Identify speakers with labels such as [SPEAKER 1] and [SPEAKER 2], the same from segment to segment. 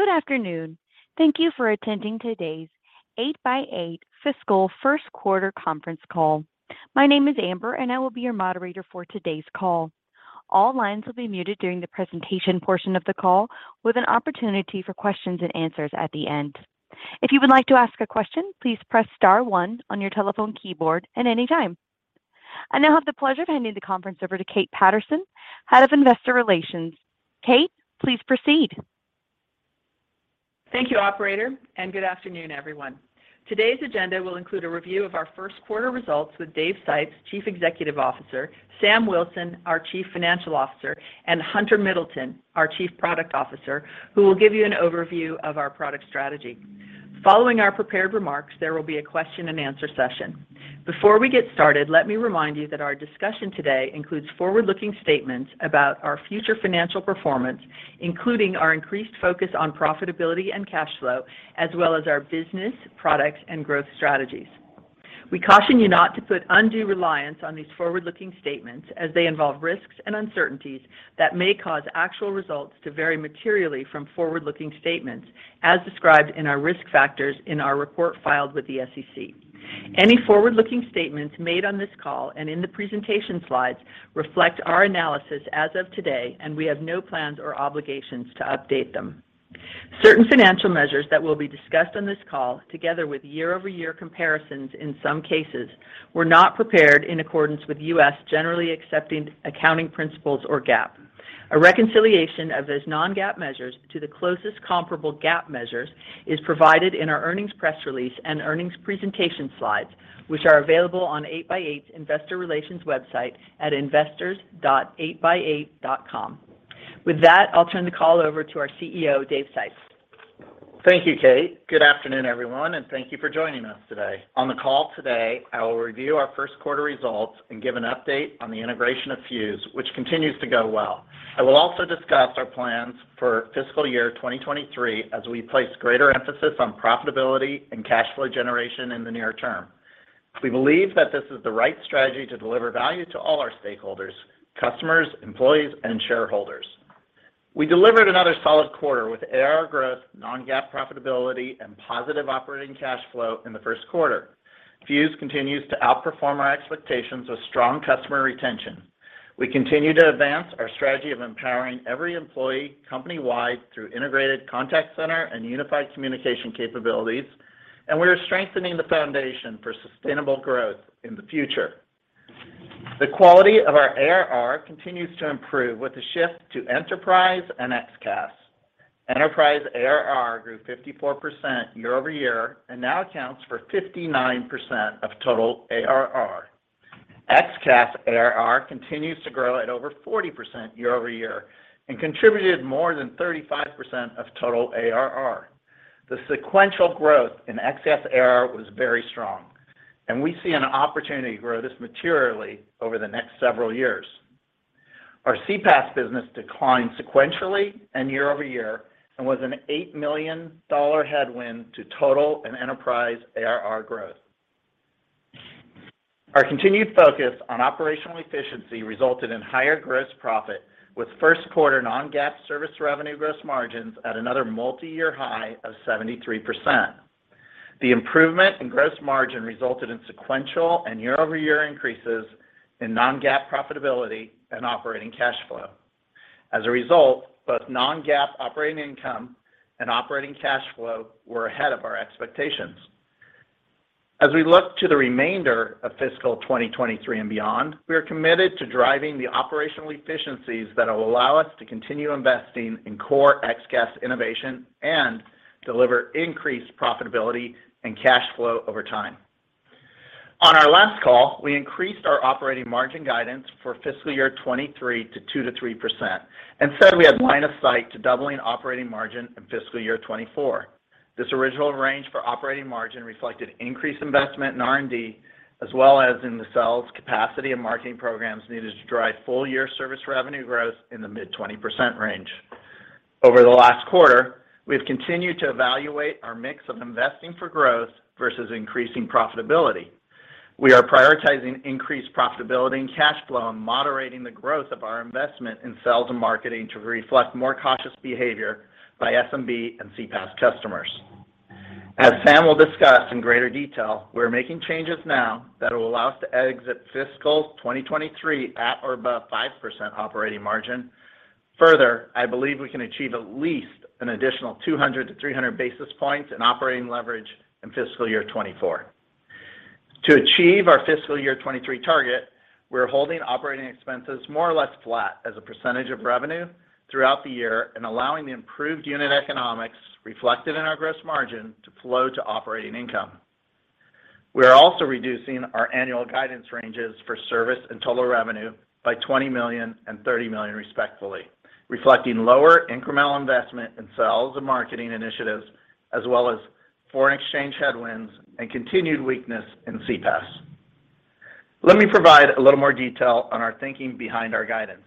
[SPEAKER 1] Good afternoon. Thank you for attending today's 8x8 fiscal first quarter conference call. My name is Amber, and I will be your moderator for today's call. All lines will be muted during the presentation portion of the call, with an opportunity for questions and answers at the end. If you would like to ask a question, please press star one on your telephone keyboard at any time. I now have the pleasure of handing the conference over to Kate Patterson, Head of Investor Relations. Kate, please proceed.
[SPEAKER 2] Thank you, operator, and good afternoon, everyone. Today's agenda will include a review of our first quarter results with Dave Sipes, Chief Executive Officer, Sam Wilson, our Chief Financial Officer, and Hunter Middleton, our Chief Product Officer, who will give you an overview of our product strategy. Following our prepared remarks, there will be a question and answer session. Before we get started, let me remind you that our discussion today includes forward-looking statements about our future financial performance, including our increased focus on profitability and cash flow, as well as our business, products, and growth strategies. We caution you not to put undue reliance on these forward-looking statements as they involve risks and uncertainties that may cause actual results to vary materially from forward-looking statements as described in our risk factors in our report filed with the SEC. Any forward-looking statements made on this call and in the presentation slides reflect our analysis as of today, and we have no plans or obligations to update them. Certain financial measures that will be discussed on this call, together with year-over-year comparisons in some cases, were not prepared in accordance with U.S. generally accepted accounting principles or GAAP. A reconciliation of those non-GAAP measures to the closest comparable GAAP measures is provided in our earnings press release and earnings presentation slides, which are available on 8x8's investor relations website at investors.8x8.com. With that, I'll turn the call over to our CEO, Dave Sipes.
[SPEAKER 3] Thank you, Kate. Good afternoon, everyone, and thank you for joining us today. On the call today, I will review our first quarter results and give an update on the integration of Fuze, which continues to go well. I will also discuss our plans for fiscal year 2023 as we place greater emphasis on profitability and cash flow generation in the near term. We believe that this is the right strategy to deliver value to all our stakeholders, customers, employees, and shareholders. We delivered another solid quarter with ARR growth, non-GAAP profitability, and positive operating cash flow in the first quarter. Fuze continues to outperform our expectations with strong customer retention. We continue to advance our strategy of empowering every employee company-wide through integrated contact center and unified communication capabilities, and we are strengthening the foundation for sustainable growth in the future. The quality of our ARR continues to improve with the shift to enterprise and XCaaS. Enterprise ARR grew 54% year-over-year and now accounts for 59% of total ARR. XCaaS ARR continues to grow at over 40% year-over-year and contributed more than 35% of total ARR. The sequential growth in XCaaS ARR was very strong, and we see an opportunity to grow this materially over the next several years. Our CPaaS business declined sequentially and year-over-year and was an $8 million headwind to total and enterprise ARR growth. Our continued focus on operational efficiency resulted in higher gross profit with first quarter non-GAAP service revenue gross margins at another multi-year high of 73%. The improvement in gross margin resulted in sequential and year-over-year increases in non-GAAP profitability and operating cash flow. As a result, both non-GAAP operating income and operating cash flow were ahead of our expectations. As we look to the remainder of fiscal 2023 and beyond, we are committed to driving the operational efficiencies that will allow us to continue investing in core XCaaS innovation and deliver increased profitability and cash flow over time. On our last call, we increased our operating margin guidance for fiscal year 2023 to 2%-3% and said we had line of sight to doubling operating margin in fiscal year 2024. This original range for operating margin reflected increased investment in R&D as well as in the sales capacity and marketing programs needed to drive full-year service revenue growth in the mid-20% range. Over the last quarter, we've continued to evaluate our mix of investing for growth versus increasing profitability. We are prioritizing increased profitability and cash flow and moderating the growth of our investment in sales and marketing to reflect more cautious behavior by SMB and CPaaS customers. As Sam will discuss in greater detail, we're making changes now that will allow us to exit fiscal 2023 at or above 5% operating margin. Further, I believe we can achieve at least an additional 200-300 basis points in operating leverage in fiscal year 2024. To achieve our fiscal year 2023 target, we're holding operating expenses more or less flat as a percentage of revenue throughout the year and allowing the improved unit economics reflected in our gross margin to flow to operating income. We are also reducing our annual guidance ranges for service and total revenue by $20 million and $30 million respectively, reflecting lower incremental investment in sales and marketing initiatives as well as foreign exchange headwinds and continued weakness in CPaaS. Let me provide a little more detail on our thinking behind our guidance.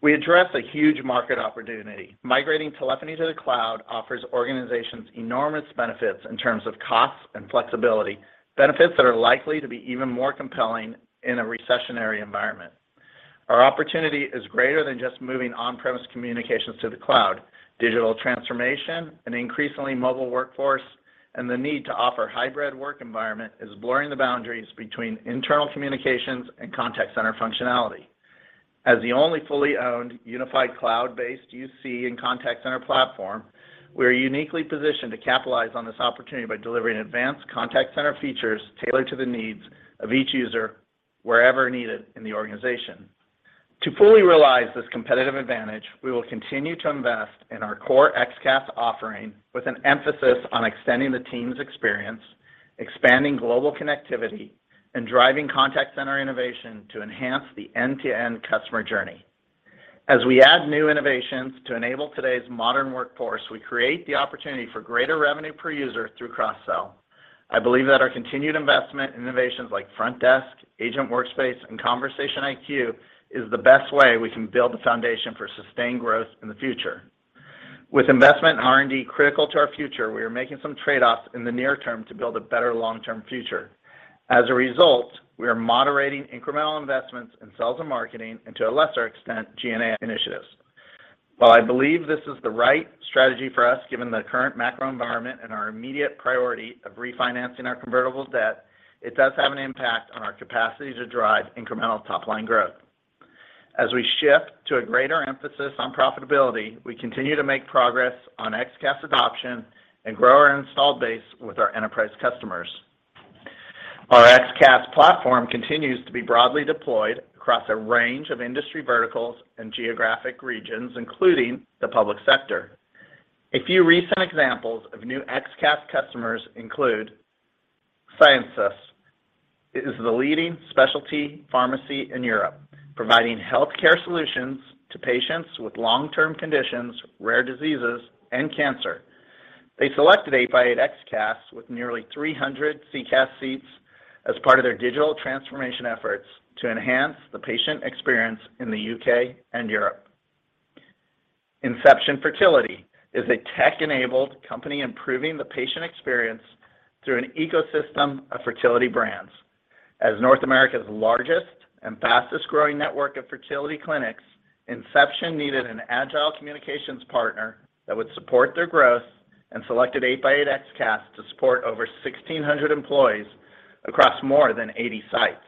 [SPEAKER 3] We address a huge market opportunity. Migrating telephony to the cloud offers organizations enormous benefits in terms of cost and flexibility, benefits that are likely to be even more compelling in a recessionary environment. Our opportunity is greater than just moving on-premise communications to the cloud. Digital transformation, an increasingly mobile workforce and the need to offer hybrid work environment is blurring the boundaries between internal communications and contact center functionality. As the only fully owned unified cloud-based UC and contact center platform, we are uniquely positioned to capitalize on this opportunity by delivering advanced contact center features tailored to the needs of each user wherever needed in the organization. To fully realize this competitive advantage, we will continue to invest in our core XCaaS offering with an emphasis on extending the team's experience, expanding global connectivity and driving contact center innovation to enhance the end-to-end customer journey. As we add new innovations to enable today's modern workforce, we create the opportunity for greater revenue per user through cross-sell. I believe that our continued investment in innovations like Frontdesk, Agent Workspace, and Conversation IQ is the best way we can build the foundation for sustained growth in the future. With investment in R&D critical to our future, we are making some trade-offs in the near term to build a better long-term future. As a result, we are moderating incremental investments in sales and marketing and to a lesser extent, G&A initiatives. While I believe this is the right strategy for us, given the current macro environment and our immediate priority of refinancing our convertible debt, it does have an impact on our capacity to drive incremental top-line growth. As we shift to a greater emphasis on profitability, we continue to make progress on XCaaS adoption and grow our installed base with our enterprise customers. Our XCaaS platform continues to be broadly deployed across a range of industry verticals and geographic regions, including the public sector. A few recent examples of new XCaaS customers include, Sciensus. It's the leading specialty pharmacy in Europe, providing healthcare solutions to patients with long-term conditions, rare diseases, and cancer. They selected 8x8 XCaaS with nearly 300 CCaaS seats as part of their digital transformation efforts to enhance the patient experience in the UK and Europe. Inception Fertility is a tech-enabled company improving the patient experience through an ecosystem of fertility brands. As North America's largest and fastest-growing network of fertility clinics, Inception needed an agile communications partner that would support their growth and selected 8x8 XCaaS to support over 1,600 employees across more than 80 sites.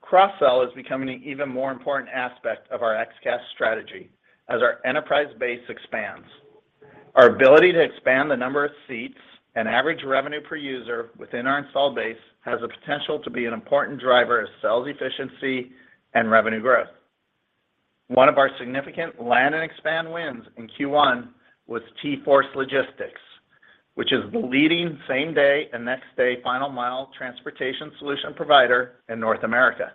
[SPEAKER 3] Cross-sell is becoming an even more important aspect of our XCaaS strategy as our enterprise base expands. Our ability to expand the number of seats and average revenue per user within our installed base has the potential to be an important driver of sales efficiency and revenue growth. One of our significant land and expand wins in Q1 was TForce Logistics, which is the leading same-day and next-day final mile transportation solution provider in North America.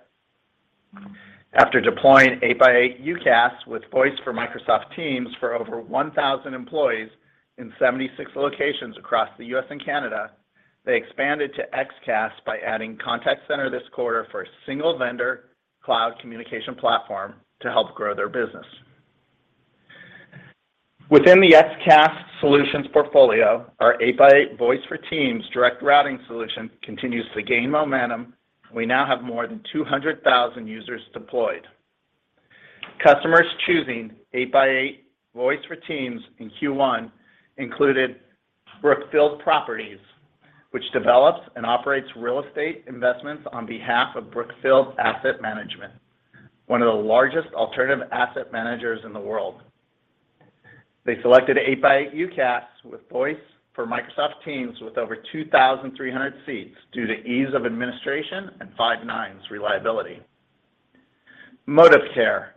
[SPEAKER 3] After deploying 8x8 UCaaS with 8x8 Voice for Microsoft Teams for over 1,000 employees in 76 locations across the U.S. and Canada, they expanded to XCaaS by adding contact center this quarter for a single vendor cloud communication platform to help grow their business. Within the XCaaS solutions portfolio, our 8x8 Voice for Teams Direct Routing solution continues to gain momentum. We now have more than 200,000 users deployed. Customers choosing 8x8 Voice for Teams in Q1 included Brookfield Properties, which develops and operates real estate investments on behalf of Brookfield Asset Management, one of the largest alternative asset managers in the world. They selected 8x8 UCaaS with Voice for Microsoft Teams with over 2,300 seats due to ease of administration and five nines reliability. Modivcare,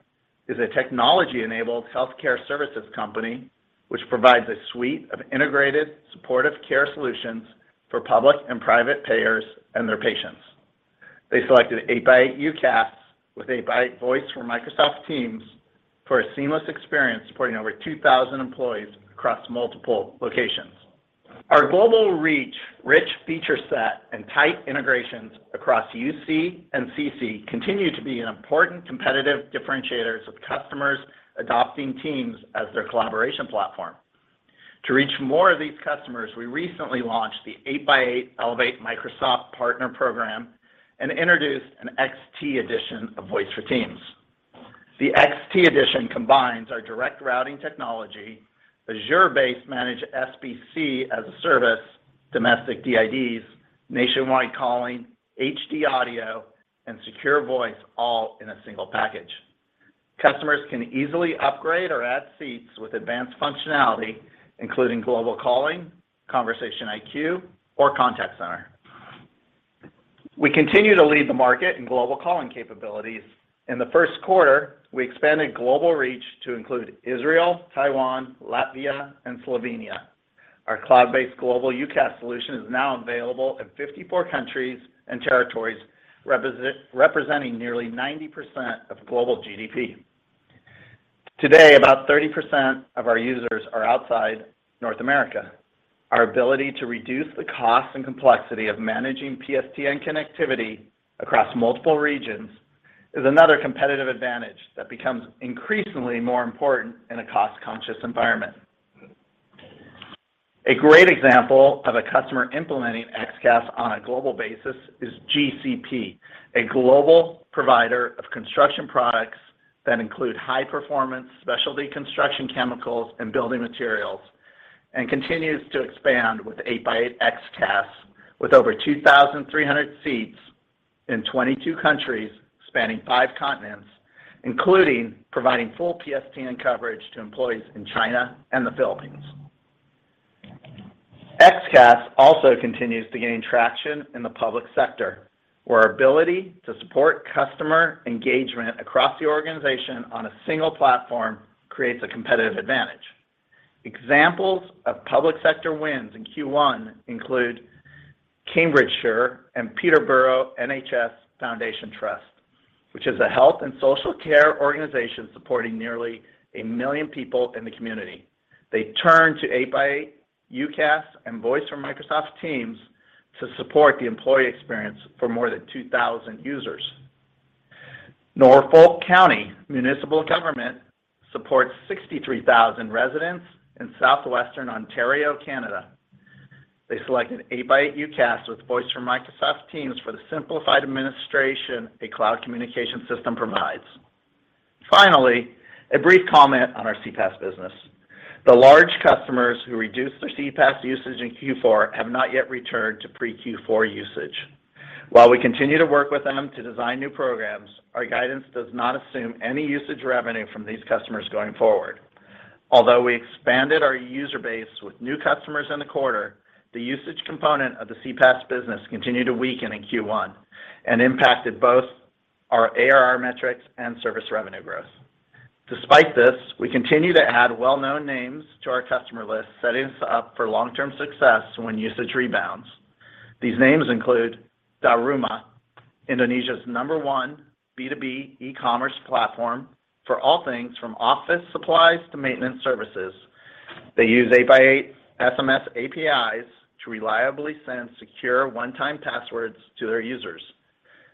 [SPEAKER 3] is a technology-enabled healthcare services company which provides a suite of integrated supportive care solutions for public and private payers and their patients. They selected 8x8 UCaaS with 8x8 Voice for Microsoft Teams for a seamless experience supporting over 2,000 employees across multiple locations. Our global reach, rich feature set, and tight integrations across UC and CC continue to be an important competitive differentiators of customers adopting Teams as their collaboration platform. To reach more of these customers, we recently launched the 8x8 Elevate Microsoft Partner Program and introduced an XT edition of Voice for Microsoft Teams. The XT edition combines our direct routing technology, Azure-based managed SBC as a service, domestic DIDs, nationwide calling, HD audio, and secure voice all in a single package. Customers can easily upgrade or add seats with advanced functionality, including global calling, Conversation IQ, or contact center. We continue to lead the market in global calling capabilities. In the first quarter, we expanded global reach to include Israel, Taiwan, Latvia, and Slovenia. Our cloud-based global UCaaS solution is now available in 54 countries and territories representing nearly 90% of global GDP. Today, about 30% of our users are outside North America. Our ability to reduce the cost and complexity of managing PSTN connectivity across multiple regions is another competitive advantage that becomes increasingly more important in a cost-conscious environment. A great example of a customer implementing XCaaS on a global basis is GCP, a global provider of construction products that include high-performance specialty construction chemicals and building materials, and continues to expand with 8x8 XCaaS with over 2,300 seats in 22 countries spanning five continents, including providing full PSTN coverage to employees in China and the Philippines. XCaaS also continues to gain traction in the public sector, where our ability to support customer engagement across the organization on a single platform creates a competitive advantage. Examples of public sector wins in Q1 include Cambridgeshire and Peterborough NHS Foundation Trust, which is a health and social care organization supporting nearly a million people in the community. They turn to 8x8 UCaaS and Voice for Microsoft Teams to support the employee experience for more than 2,000 users. Norfolk County Municipal Government supports 63,000 residents in southwestern Ontario, Canada. They selected 8x8 UCaaS with Voice for Microsoft Teams for the simplified administration of a cloud communication system provides. Finally, a brief comment on our CPaaS business. The large customers who reduced their CPaaS usage in Q4 have not yet returned to pre-Q4 usage. While we continue to work with them to design new programs, our guidance does not assume any usage revenue from these customers going forward. Although we expanded our user base with new customers in the quarter, the usage component of the CPaaS business continued to weaken in Q1 and impacted both our ARR metrics and service revenue growth. Despite this, we continue to add well-known names to our customer list, setting us up for long-term success when usage rebounds. These names include Ralali, Indonesia's number one B2B e-commerce platform for all things from office supplies to maintenance services. They use 8x8 SMS APIs to reliably send secure one-time passwords to their users.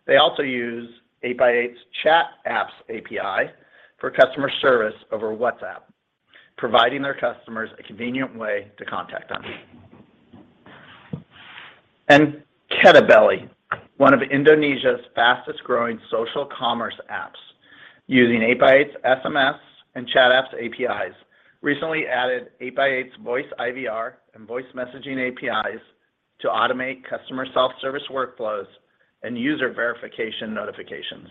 [SPEAKER 3] They also use 8x8's Chat Apps API for customer service over WhatsApp, providing their customers a convenient way to contact them. KitaBeli, one of Indonesia's fastest-growing social commerce apps, using 8x8's SMS and Chat Apps APIs, recently added 8x8's Voice IVR and Voice Messaging APIs to automate customer self-service workflows and user verification notifications.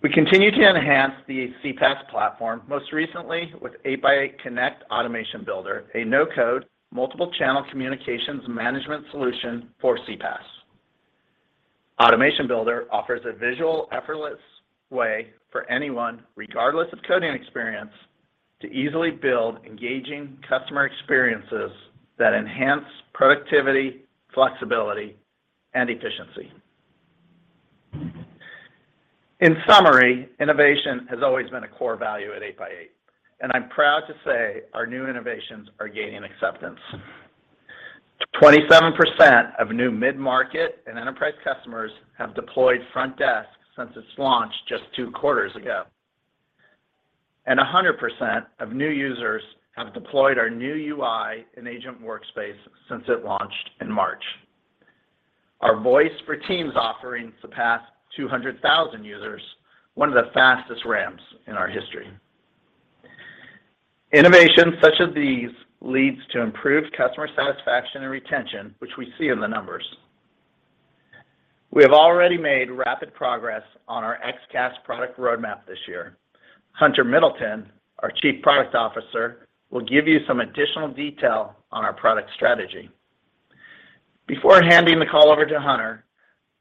[SPEAKER 3] We continue to enhance the CPaaS platform, most recently with 8x8 Connect Automation Builder, a no-code, multiple-channel communications management solution for CPaaS. Automation Builder offers a visual, effortless way for anyone, regardless of coding experience, to easily build engaging customer experiences that enhance productivity, flexibility, and efficiency. In summary, innovation has always been a core value at 8x8, and I'm proud to say our new innovations are gaining acceptance. 27% of new mid-market and enterprise customers have deployed 8x8 Frontdesk since its launch just two quarters ago. 100% of new users have deployed our new UI in 8x8 Agent Workspace since it launched in March. Our Voice for Microsoft Teams offering surpassed 200,000 users, one of the fastest ramps in our history. Innovations such as these leads to improved customer satisfaction and retention, which we see in the numbers. We have already made rapid progress on our XCaaS product roadmap this year. Hunter Middleton, our Chief Product Officer, will give you some additional detail on our product strategy. Before handing the call over to Hunter,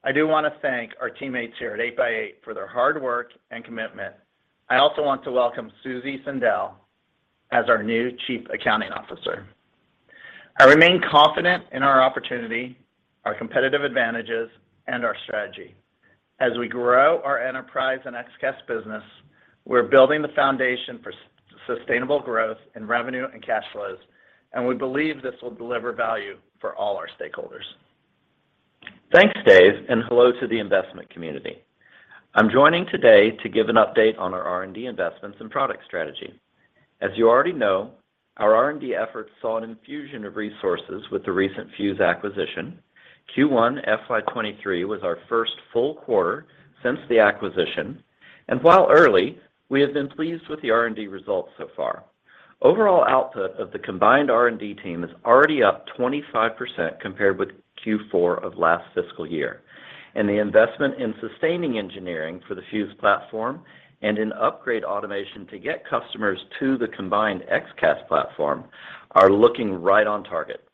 [SPEAKER 3] I do want to thank our teammates here at 8x8 for their hard work and commitment. I also want to welcome Suzy Cindell as our new Chief Accounting Officer. I remain confident in our opportunity, our competitive advantages, and our strategy. As we grow our enterprise and XCaaS business, we're building the foundation for sustainable growth in revenue and cash flows, and we believe this will deliver value for all our stakeholders.
[SPEAKER 4] Thanks, Dave, and hello to the investment community. I'm joining today to give an update on our R&D investments and product strategy. As you already know, our R&D efforts saw an infusion of resources with the recent Fuze acquisition. Q1 FY 2023 was our first full quarter since the acquisition. While early, we have been pleased with the R&D results so far. Overall output of the combined R&D team is already up 25% compared with Q4 of last fiscal year. The investment in sustaining engineering for the Fuze platform and in upgrade automation to get customers to the combined XCaaS platform are looking right on target.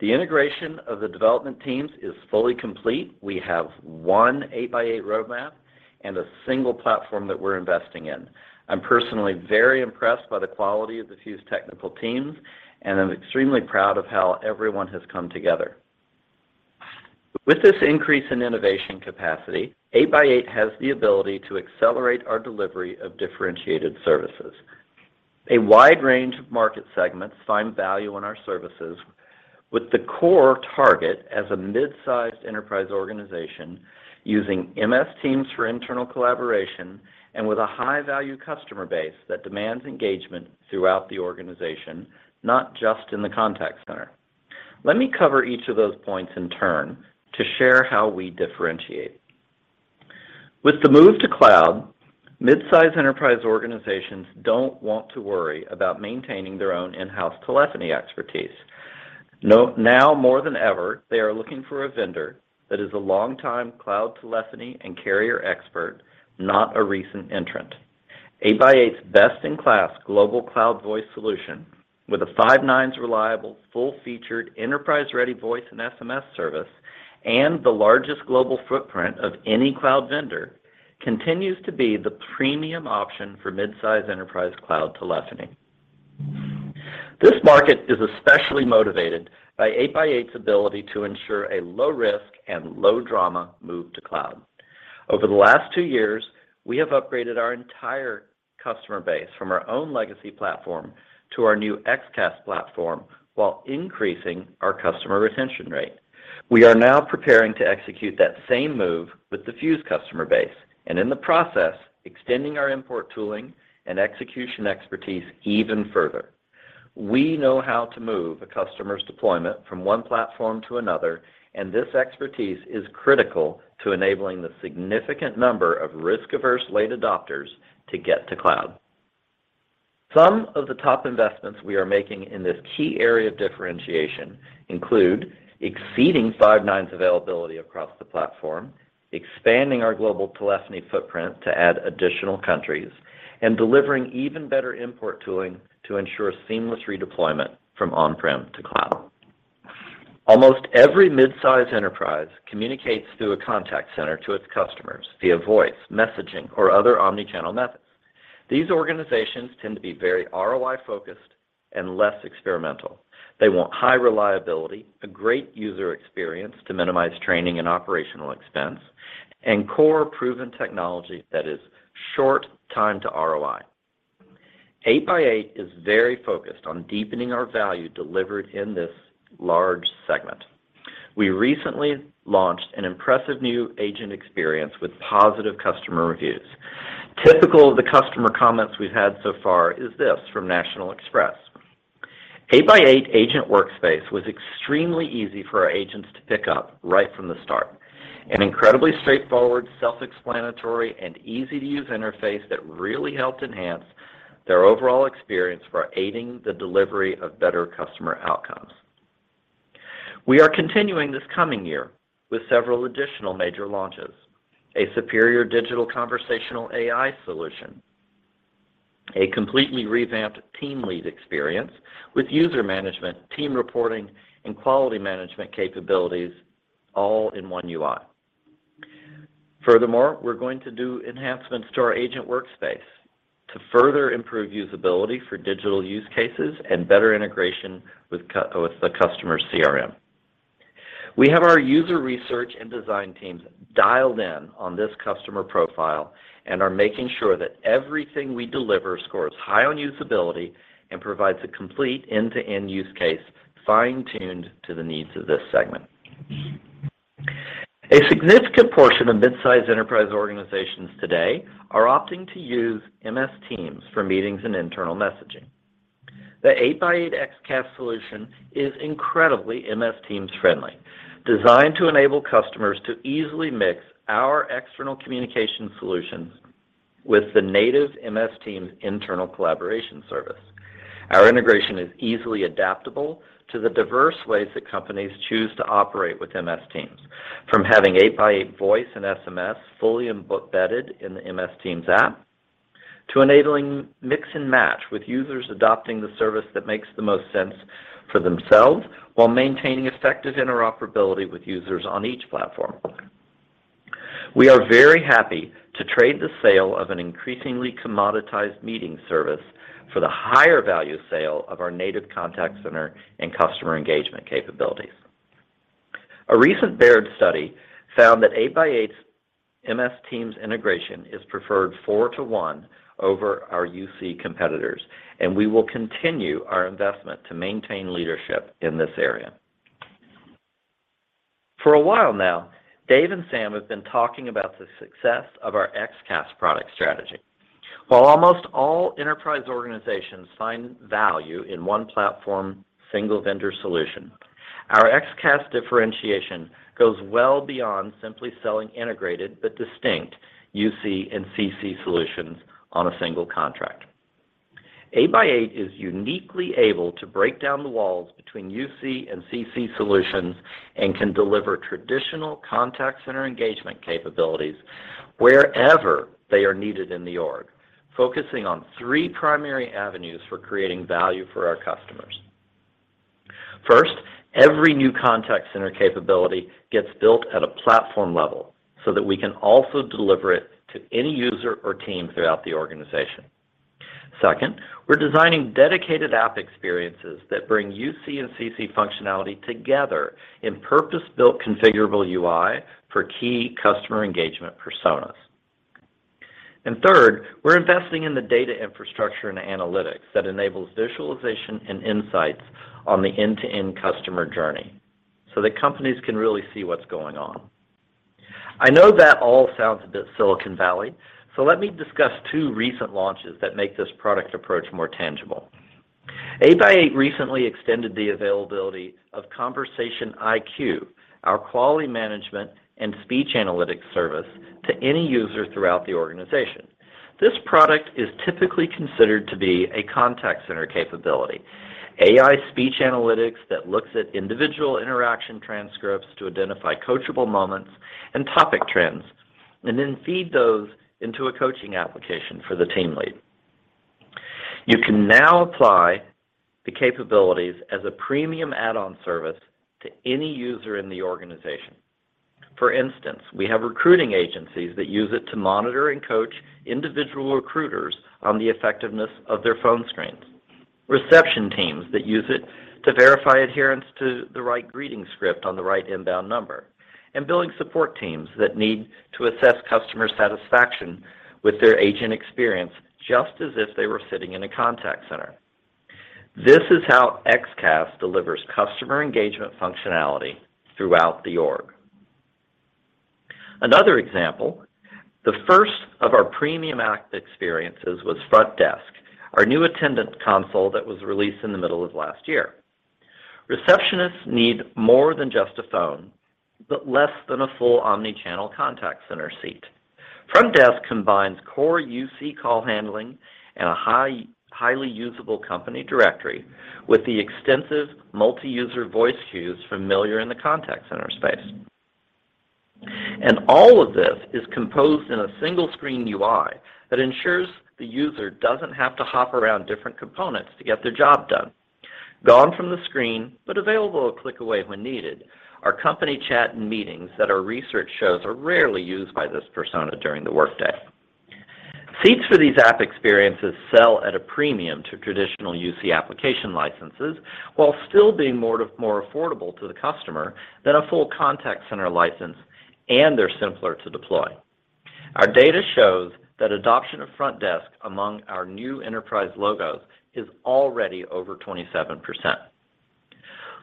[SPEAKER 4] The integration of the development teams is fully complete. We have one 8x8 roadmap and a single platform that we're investing in. I'm personally very impressed by the quality of the Fuze technical teams, and I'm extremely proud of how everyone has come together. With this increase in innovation capacity, 8x8 has the ability to accelerate our delivery of differentiated services. A wide range of market segments find value in our services. With the core target as a mid-sized enterprise organization using MS Teams for internal collaboration and with a high-value customer base that demands engagement throughout the organization, not just in the contact center. Let me cover each of those points in turn to share how we differentiate. With the move to the cloud, mid-size enterprise organizations don't want to worry about maintaining their own in-house telephony expertise. Now more than ever, they are looking for a vendor that is a long-time cloud telephony and carrier expert, not a recent entrant. 8x8's best-in-class global cloud voice solution with a five-nines reliable, full-featured, enterprise-ready voice and SMS service and the largest global footprint of any cloud vendor continues to be the premium option for mid-size enterprise cloud telephony. This market is especially motivated by 8x8's ability to ensure a low-risk and low-drama move to cloud. Over the last two years, we have upgraded our entire customer base from our own legacy platform to our new XCaaS platform while increasing our customer retention rate. We are now preparing to execute that same move with the Fuze customer base and in the process, extending our import tooling and execution expertise even further. We know how to move a customer's deployment from one platform to another, and this expertise is critical to enabling the significant number of risk-averse late adopters to get to cloud. Some of the top investments we are making in this key area of differentiation include exceeding five-nines availability across the platform, expanding our global telephony footprint to add additional countries, and delivering even better import tooling to ensure seamless redeployment from on-prem to cloud. Almost every mid-size enterprise communicates through a contact center to its customers via voice, messaging, or other omni-channel methods. These organizations tend to be very ROI-focused and less experimental. They want high reliability, a great user experience to minimize training and operational expense, and core proven technology that is short time-to-ROI. 8x8 is very focused on deepening our value delivered in this large segment. We recently launched an impressive new agent experience with positive customer reviews. Typical of the customer comments we've had so far is this from National Express. "8x8 Agent Workspace was extremely easy for our agents to pick up right from the start. An incredibly straightforward, self-explanatory, and easy-to-use interface that really helped enhance their overall experience for aiding the delivery of better customer outcomes." We are continuing this coming year with several additional major launches. A superior digital conversational AI solution. A completely revamped team lead experience with user management, team reporting, and quality management capabilities all in one UI. Furthermore, we're going to do enhancements to our Agent Workspace to further improve usability for digital use cases and better integration with the customer CRM. We have our user research and design teams dialed in on this customer profile and are making sure that everything we deliver scores high on usability and provides a complete end-to-end use case fine-tuned to the needs of this segment. A significant portion of mid-size enterprise organizations today are opting to use MS Teams for meetings and internal messaging. The 8x8 XCaaS solution is incredibly Microsoft Teams friendly, designed to enable customers to easily mix our external communication solutions with the native Microsoft Teams internal collaboration service. Our integration is easily adaptable to the diverse ways that companies choose to operate with Microsoft Teams, from having 8x8 voice and SMS fully embedded in the Microsoft Teams app to enabling mix and match with users adopting the service that makes the most sense for themselves while maintaining effective interoperability with users on each platform. We are very happy to trade the sale of an increasingly commoditized meeting service for the higher value sale of our native contact center and customer engagement capabilities. A recent Baird study found that 8x8's Microsoft Teams integration is preferred four to one over our UC competitors, and we will continue our investment to maintain leadership in this area. For a while now, Dave and Sam have been talking about the success of our XCaaS product strategy. Almost all enterprise organizations find value in one platform, single vendor solution. Our XCaaS differentiation goes well beyond simply selling integrated but distinct UC and CC solutions on a single contract. 8x8 is uniquely able to break down the walls between UC and CC solutions and can deliver traditional contact center engagement capabilities wherever they are needed in the org, focusing on three primary avenues for creating value for our customers. First, every new contact center capability gets built at a platform level so that we can also deliver it to any user or team throughout the organization. Second, we're designing dedicated app experiences that bring UC and CC functionality together in purpose-built configurable UI for key customer engagement personas. Third, we're investing in the data infrastructure and analytics that enables visualization and insights on the end-to-end customer journey so that companies can really see what's going on. I know that all sounds a bit Silicon Valley, so let me discuss two recent launches that make this product approach more tangible. 8x8 recently extended the availability of Conversation IQ, our quality management and speech analytics service, to any user throughout the organization. This product is typically considered to be a contact center capability, AI speech analytics that looks at individual interaction transcripts to identify coachable moments and topic trends, and then feed those into a coaching application for the team lead. You can now apply the capabilities as a premium add-on service to any user in the organization. For instance, we have recruiting agencies that use it to monitor and coach individual recruiters on the effectiveness of their phone screens, reception teams that use it to verify adherence to the right greeting script on the right inbound number, and billing support teams that need to assess customer satisfaction with their agent experience, just as if they were sitting in a contact center. This is how XCaaS delivers customer engagement functionality throughout the org. Another example, the first of our premium app experiences was Frontdesk, our new attendant console that was released in the middle of last year. Receptionists need more than just a phone, but less than a full omnichannel contact center seat. Frontdesk combines core UC call handling and a highly usable company directory with the extensive multi-user voice queues familiar in the contact center space. All of this is composed in a single screen UI that ensures the user doesn't have to hop around different components to get their job done. Gone from the screen, but available a click away when needed, our company chat and meetings that our research shows are rarely used by this persona during the workday. Seats for these app experiences sell at a premium to traditional UC application licenses while still being more affordable to the customer than a full contact center license, and they're simpler to deploy. Our data shows that adoption of Frontdesk among our new enterprise logos is already over 27%.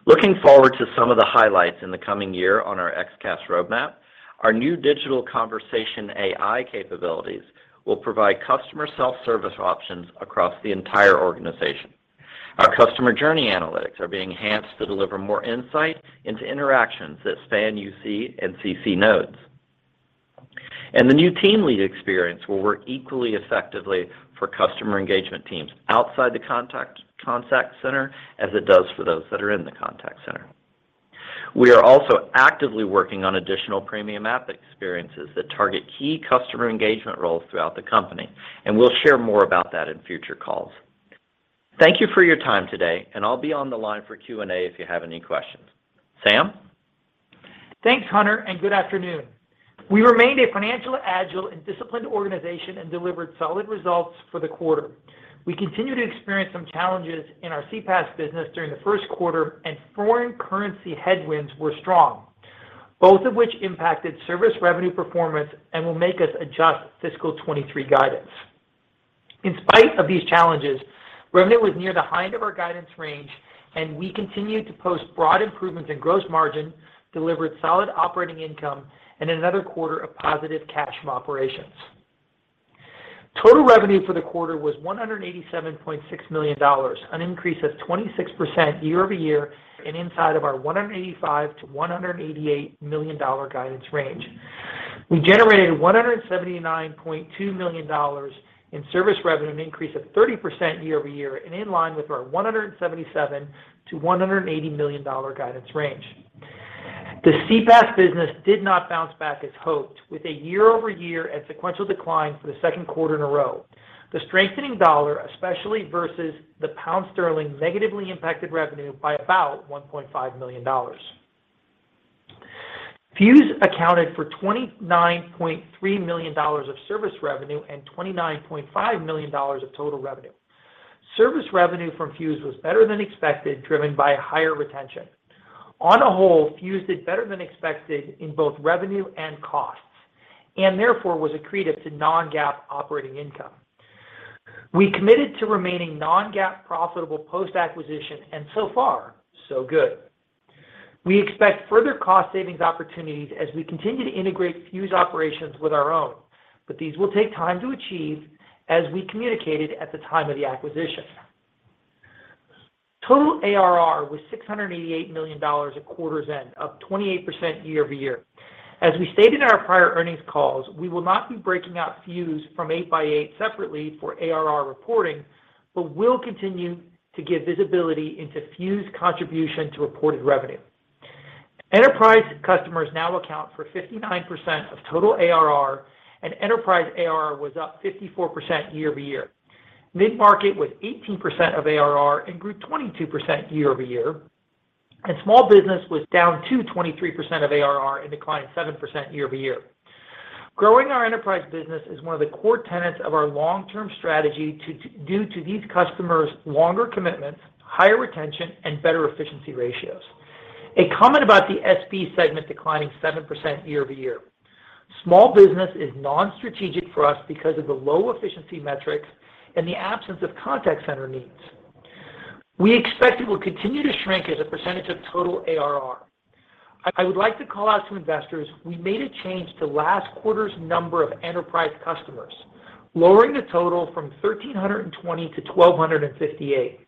[SPEAKER 4] Looking forward to some of the highlights in the coming year on our XCaaS roadmap, our new digital conversation AI capabilities will provide customer self-service options across the entire organization. Our customer journey analytics are being enhanced to deliver more insight into interactions that span UC and CC nodes. The new team lead experience will work equally effectively for customer engagement teams outside the contact center as it does for those that are in the contact center. We are also actively working on additional premium app experiences that target key customer engagement roles throughout the company, and we'll share more about that in future calls. Thank you for your time today, and I'll be on the line for Q&A if you have any questions. Sam?
[SPEAKER 5] Thanks, Hunter, and good afternoon. We remained a financially agile and disciplined organization and delivered solid results for the quarter. We continued to experience some challenges in our CPaaS business during the first quarter, and foreign currency headwinds were strong, both of which impacted service revenue performance and will make us adjust fiscal 2023 guidance. In spite of these challenges, revenue was near the high end of our guidance range, and we continued to post broad improvements in gross margin, delivered solid operating income, and another quarter of positive cash from operations. Total revenue for the quarter was $187.6 million, an increase of 26% year-over-year and inside of our $185 million-$188 million guidance range. We generated $179.2 million in service revenue, an increase of 30% year-over-year and in line with our $177-$180 million guidance range. The CPaaS business did not bounce back as hoped, with a year-over-year and sequential decline for the second quarter in a row. The strengthening dollar, especially versus the pound sterling, negatively impacted revenue by about $1.5 million. Fuze accounted for $29.3 million of service revenue and $29.5 million of total revenue. Service revenue from Fuze was better than expected, driven by higher retention. On the whole, Fuze did better than expected in both revenue and costs, and therefore was accretive to non-GAAP operating income. We committed to remaining non-GAAP profitable post-acquisition, and so far, so good. We expect further cost savings opportunities as we continue to integrate Fuze operations with our own, but these will take time to achieve, as we communicated at the time of the acquisition. Total ARR was $688 million at quarter's end, up 28% year-over-year. As we stated in our prior earnings calls, we will not be breaking out Fuze from 8x8 separately for ARR reporting, but will continue to give visibility into Fuze contribution to reported revenue. Enterprise customers now account for 59% of total ARR, and enterprise ARR was up 54% year-over-year. Mid-market was 18% of ARR and grew 22% year-over-year. Small business was down to 23% of ARR and declined 7% year-over-year. Growing our enterprise business is one of the core tenets of our long-term strategy due to these customers' longer commitments, higher retention, and better efficiency ratios. A comment about the SB segment declining 7% year-over-year. Small business is non-strategic for us because of the low efficiency metrics and the absence of contact center needs. We expect it will continue to shrink as a percentage of total ARR. I would like to call out to investors, we made a change to last quarter's number of enterprise customers, lowering the total from 1,320 to 1,258.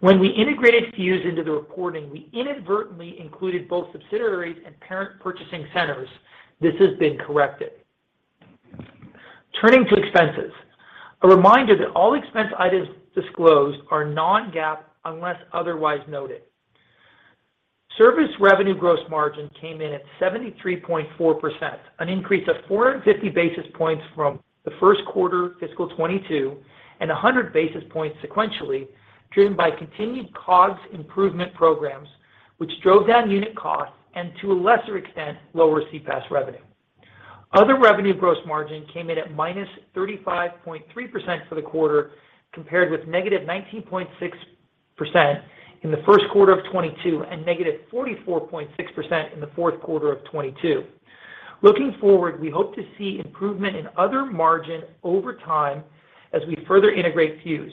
[SPEAKER 5] When we integrated Fuze into the reporting, we inadvertently included both subsidiaries and parent purchasing centers. This has been corrected. Turning to expenses, a reminder that all expense items disclosed are non-GAAP unless otherwise noted. Service revenue gross margin came in at 73.4%, an increase of 450 basis points from the first quarter fiscal 2022 and 100 basis points sequentially, driven by continued COGS improvement programs, which drove down unit costs and to a lesser extent, lower CPaaS revenue. Other revenue gross margin came in at minus 35.3% for the quarter compared with negative 19.6% in the first quarter of 2022 and negative 44.6% in the fourth quarter of 2022. Looking forward, we hope to see improvement in other margin over time as we further integrate Fuze.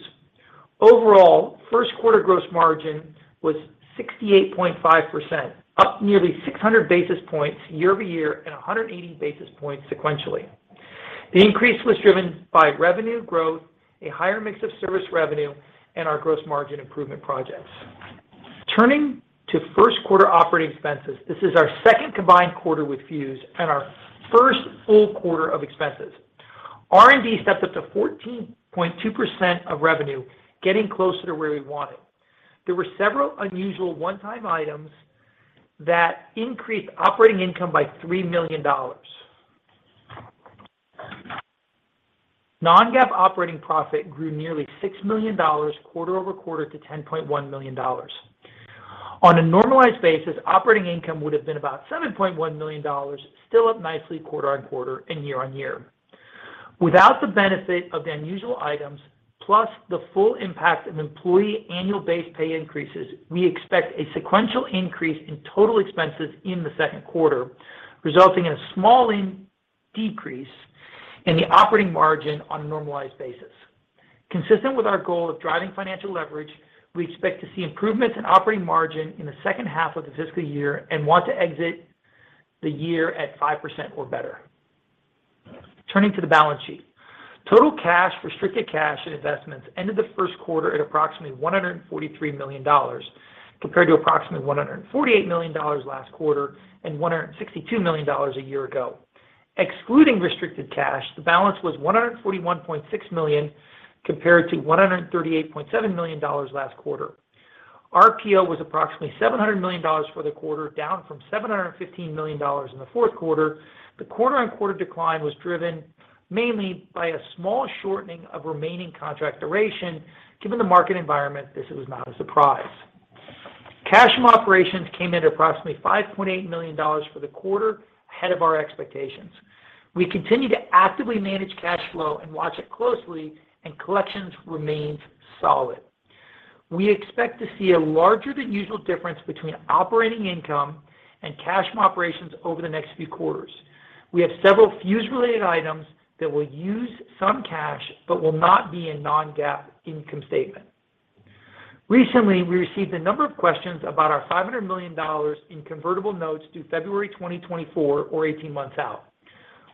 [SPEAKER 5] Overall, first quarter gross margin was 68.5%, up nearly 600 basis points year-over-year and 180 basis points sequentially. The increase was driven by revenue growth, a higher mix of service revenue, and our gross margin improvement projects. Turning to first quarter operating expenses, this is our second combined quarter with Fuze and our first full quarter of expenses. R&D stepped up to 14.2% of revenue, getting closer to where we want it. There were several unusual one-time items that increased operating income by $3 million. Non-GAAP operating profit grew nearly $6 million quarter-over-quarter to $10.1 million. On a normalized basis, operating income would have been about $7.1 million, still up nicely quarter-on-quarter and year-on-year. Without the benefit of the unusual items, plus the full impact of employee annual base pay increases, we expect a sequential increase in total expenses in the second quarter, resulting in a small decrease in the operating margin on a normalized basis. Consistent with our goal of driving financial leverage, we expect to see improvements in operating margin in the second half of the fiscal year and want to exit the year at 5% or better. Turning to the balance sheet. Total cash, restricted cash, and investments ended the first quarter at approximately $143 million, compared to approximately $148 million last quarter and $162 million a year ago. Excluding restricted cash, the balance was $141.6 million compared to $138.7 million last quarter. RPO was approximately $700 million for the quarter, down from $715 million in the fourth quarter. The quarter-over-quarter decline was driven mainly by a small shortening of remaining contract duration. Given the market environment, this was not a surprise. Cash from operations came in at approximately $5.8 million for the quarter, ahead of our expectations. We continue to actively manage cash flow and watch it closely, and collections remained solid. We expect to see a larger than usual difference between operating income and cash from operations over the next few quarters. We have several Fuze-related items that will use some cash but will not be a non-GAAP income statement. Recently, we received a number of questions about our $500 million in convertible notes due February 2024 or eighteen months out.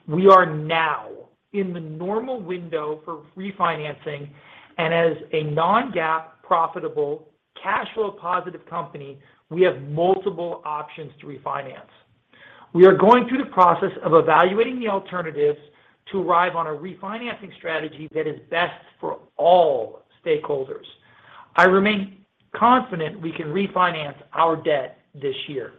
[SPEAKER 5] We are now in the normal window for refinancing. As a non-GAAP profitable cash flow positive company, we have multiple options to refinance. We are going through the process of evaluating the alternatives to arrive on a refinancing strategy that is best for all stakeholders. I remain confident we can refinance our debt this year.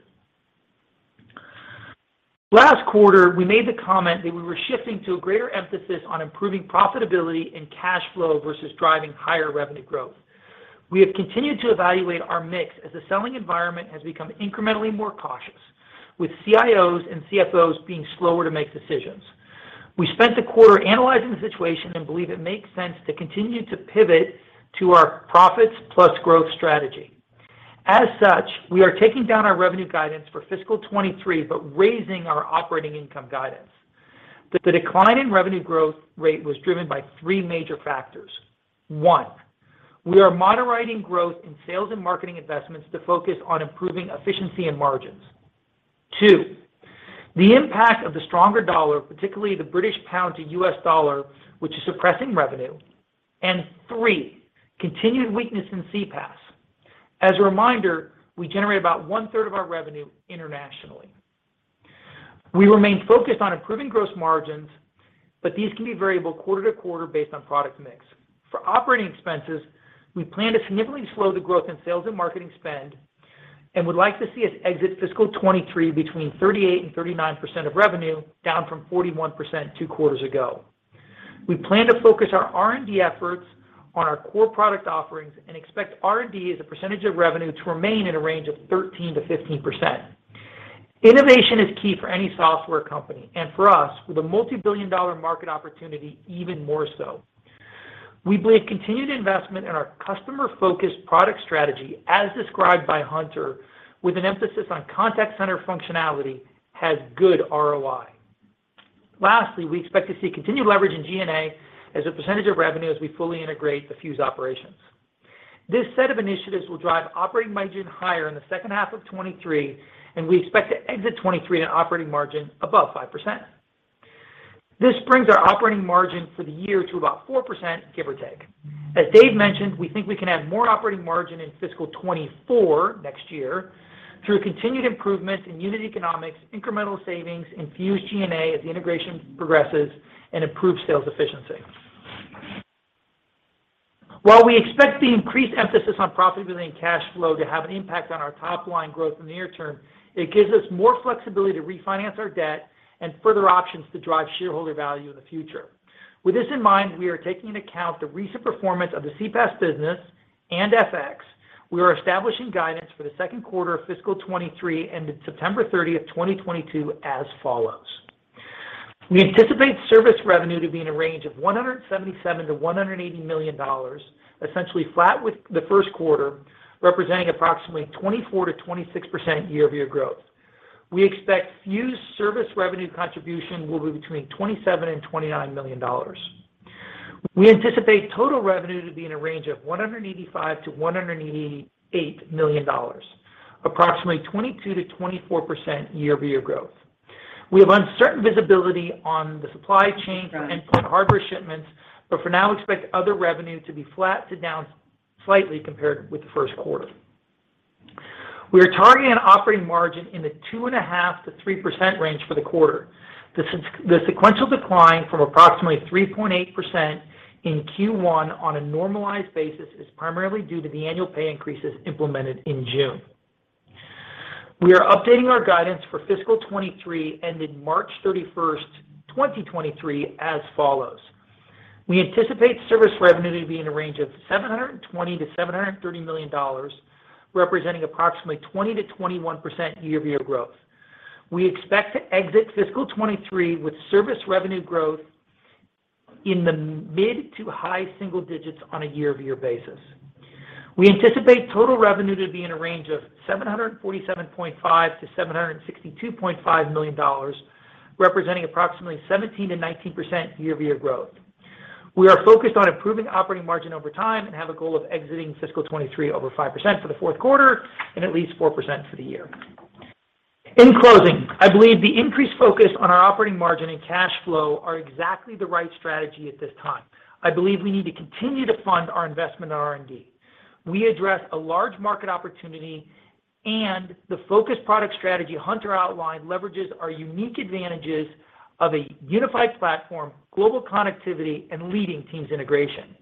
[SPEAKER 5] Last quarter, we made the comment that we were shifting to a greater emphasis on improving profitability and cash flow versus driving higher revenue growth. We have continued to evaluate our mix as the selling environment has become incrementally more cautious, with CIOs and CFOs being slower to make decisions. We spent the quarter analyzing the situation and believe it makes sense to continue to pivot to our profits plus growth strategy. As such, we are taking down our revenue guidance for fiscal 2023, but raising our operating income guidance. The decline in revenue growth rate was driven by three major factors. One, we are moderating growth in sales and marketing investments to focus on improving efficiency and margins. Two, the impact of the stronger dollar, particularly the British pound to U.S. dollar, which is suppressing revenue. Three, continued weakness in CPaaS. As a reminder, we generate about 1/3 of our revenue internationally. We remain focused on improving gross margins, but these can be variable quarter to quarter based on product mix. For operating expenses, we plan to significantly slow the growth in sales and marketing spend, and would like to see us exit fiscal 2023 between 38% and 39% of revenue, down from 41% two quarters ago. We plan to focus our R&D efforts on our core product offerings and expect R&D as a percentage of revenue to remain in a range of 13%-15%. Innovation is key for any software company, and for us, with a multi-billion-dollar market opportunity, even more so. We believe continued investment in our customer-focused product strategy, as described by Hunter, with an emphasis on contact center functionality, has good ROI. Lastly, we expect to see continued leverage in G&A as a percentage of revenue as we fully integrate the Fuze operations. This set of initiatives will drive operating margin higher in the second half of 2023, and we expect to exit 2023 in operating margin above 5%. This brings our operating margin for the year to about 4%, give or take. As Dave mentioned, we think we can add more operating margin in fiscal 2024, next year, through continued improvement in unit economics, incremental savings in Fuze G&A as the integration progresses, and improved sales efficiency. While we expect the increased emphasis on profitability and cash flow to have an impact on our top line growth in the near term, it gives us more flexibility to refinance our debt and further options to drive shareholder value in the future. With this in mind, we are taking into account the recent performance of the CPaaS business and FX. We are establishing guidance for the second quarter of fiscal 2023, ended September 30th, 2022 as follows. We anticipate service revenue to be in a range of $177 million-$180 million, essentially flat with the first quarter, representing approximately 24%-26% year-over-year growth. We expect Fuze service revenue contribution will be between $27 million and $29 million. We anticipate total revenue to be in a range of $185 million-$188 million, approximately 22%-24% year-over-year growth. We have uncertain visibility on the supply chain and endpoint hardware shipments, but for now expect other revenue to be flat to down slightly compared with the first quarter. We are targeting an operating margin in the 2.5%-3% range for the quarter. The sequential decline from approximately 3.8% in Q1 on a normalized basis is primarily due to the annual pay increases implemented in June. We are updating our guidance for fiscal 2023, ending March 31st, 2023 as follows. We anticipate service revenue to be in a range of $720 million-$730 million, representing approximately 20%-21% year-over-year growth. We expect to exit fiscal 2023 with service revenue growth in the mid to high single digits on a year-over-year basis. We anticipate total revenue to be in a range of $747.5 million-$762.5 million, representing approximately 17%-19% year-over-year growth. We are focused on improving operating margin over time and have a goal of exiting fiscal 2023 over 5% for the fourth quarter and at least 4% for the year. In closing, I believe the increased focus on our operating margin and cash flow are exactly the right strategy at this time. I believe we need to continue to fund our investment in R&D. We address a large market opportunity and the focused product strategy Hunter outlined leverages our unique advantages of a unified platform, global connectivity, and leading Teams integration.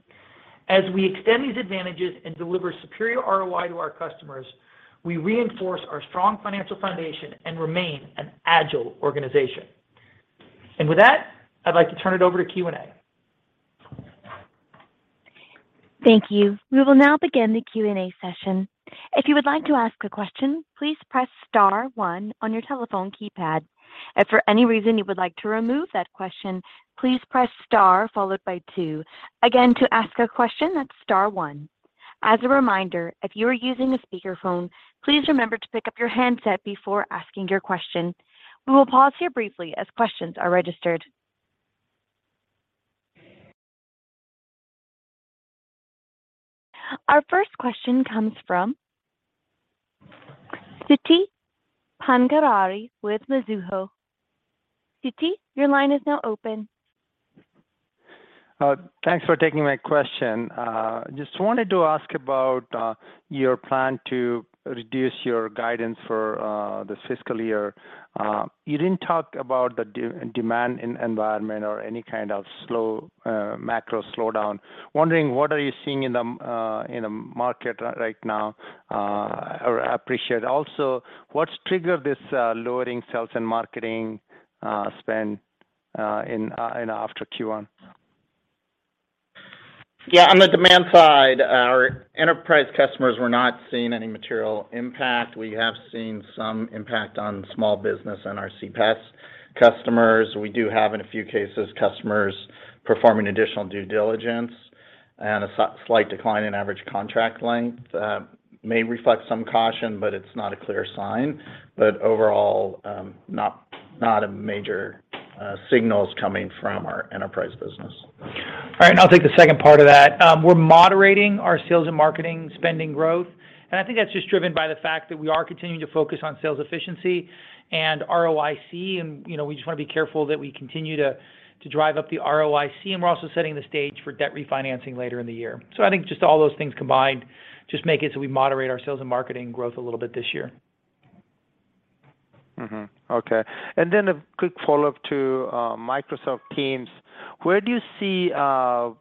[SPEAKER 5] As we extend these advantages and deliver superior ROI to our customers, we reinforce our strong financial foundation and remain an agile organization. With that, I'd like to turn it over to Q&A.
[SPEAKER 1] Thank you. We will now begin the Q&A session. If you would like to ask a question, please press star one on your telephone keypad. If for any reason you would like to remove that question, please press star followed by two. Again, to ask a question, that's star one. As a reminder, if you are using a speakerphone, please remember to pick up your handset before asking your question. We will pause here briefly as questions are registered. Our first question comes from Siti Panigrahi with Mizuho. Siti, your line is now open.
[SPEAKER 6] Thanks for taking my question. Just wanted to ask about your plan to reduce your guidance for this fiscal year. You didn't talk about the demand environment or any kind of slow macro slowdown. Wondering what are you seeing in the market right now? I'll appreciate also what's triggered this lowering sales and marketing spend in after Q1?
[SPEAKER 5] Yeah, on the demand side, our enterprise customers were not seeing any material impact. We have seen some impact on small business and our CPaaS customers. We do have, in a few cases, customers performing additional due diligence and a slight decline in average contract length may reflect some caution, but it's not a clear sign. Overall, not a major signals coming from our enterprise business.
[SPEAKER 3] All right, I'll take the second part of that. We're moderating our sales and marketing spending growth, and I think that's just driven by the fact that we are continuing to focus on sales efficiency and ROIC. You know, we just wanna be careful that we continue to drive up the ROIC, and we're also setting the stage for debt refinancing later in the year. I think just all those things combined just make it so we moderate our sales and marketing growth a little bit this year.
[SPEAKER 6] Okay. A quick follow-up to Microsoft Teams. Where do you see, you know,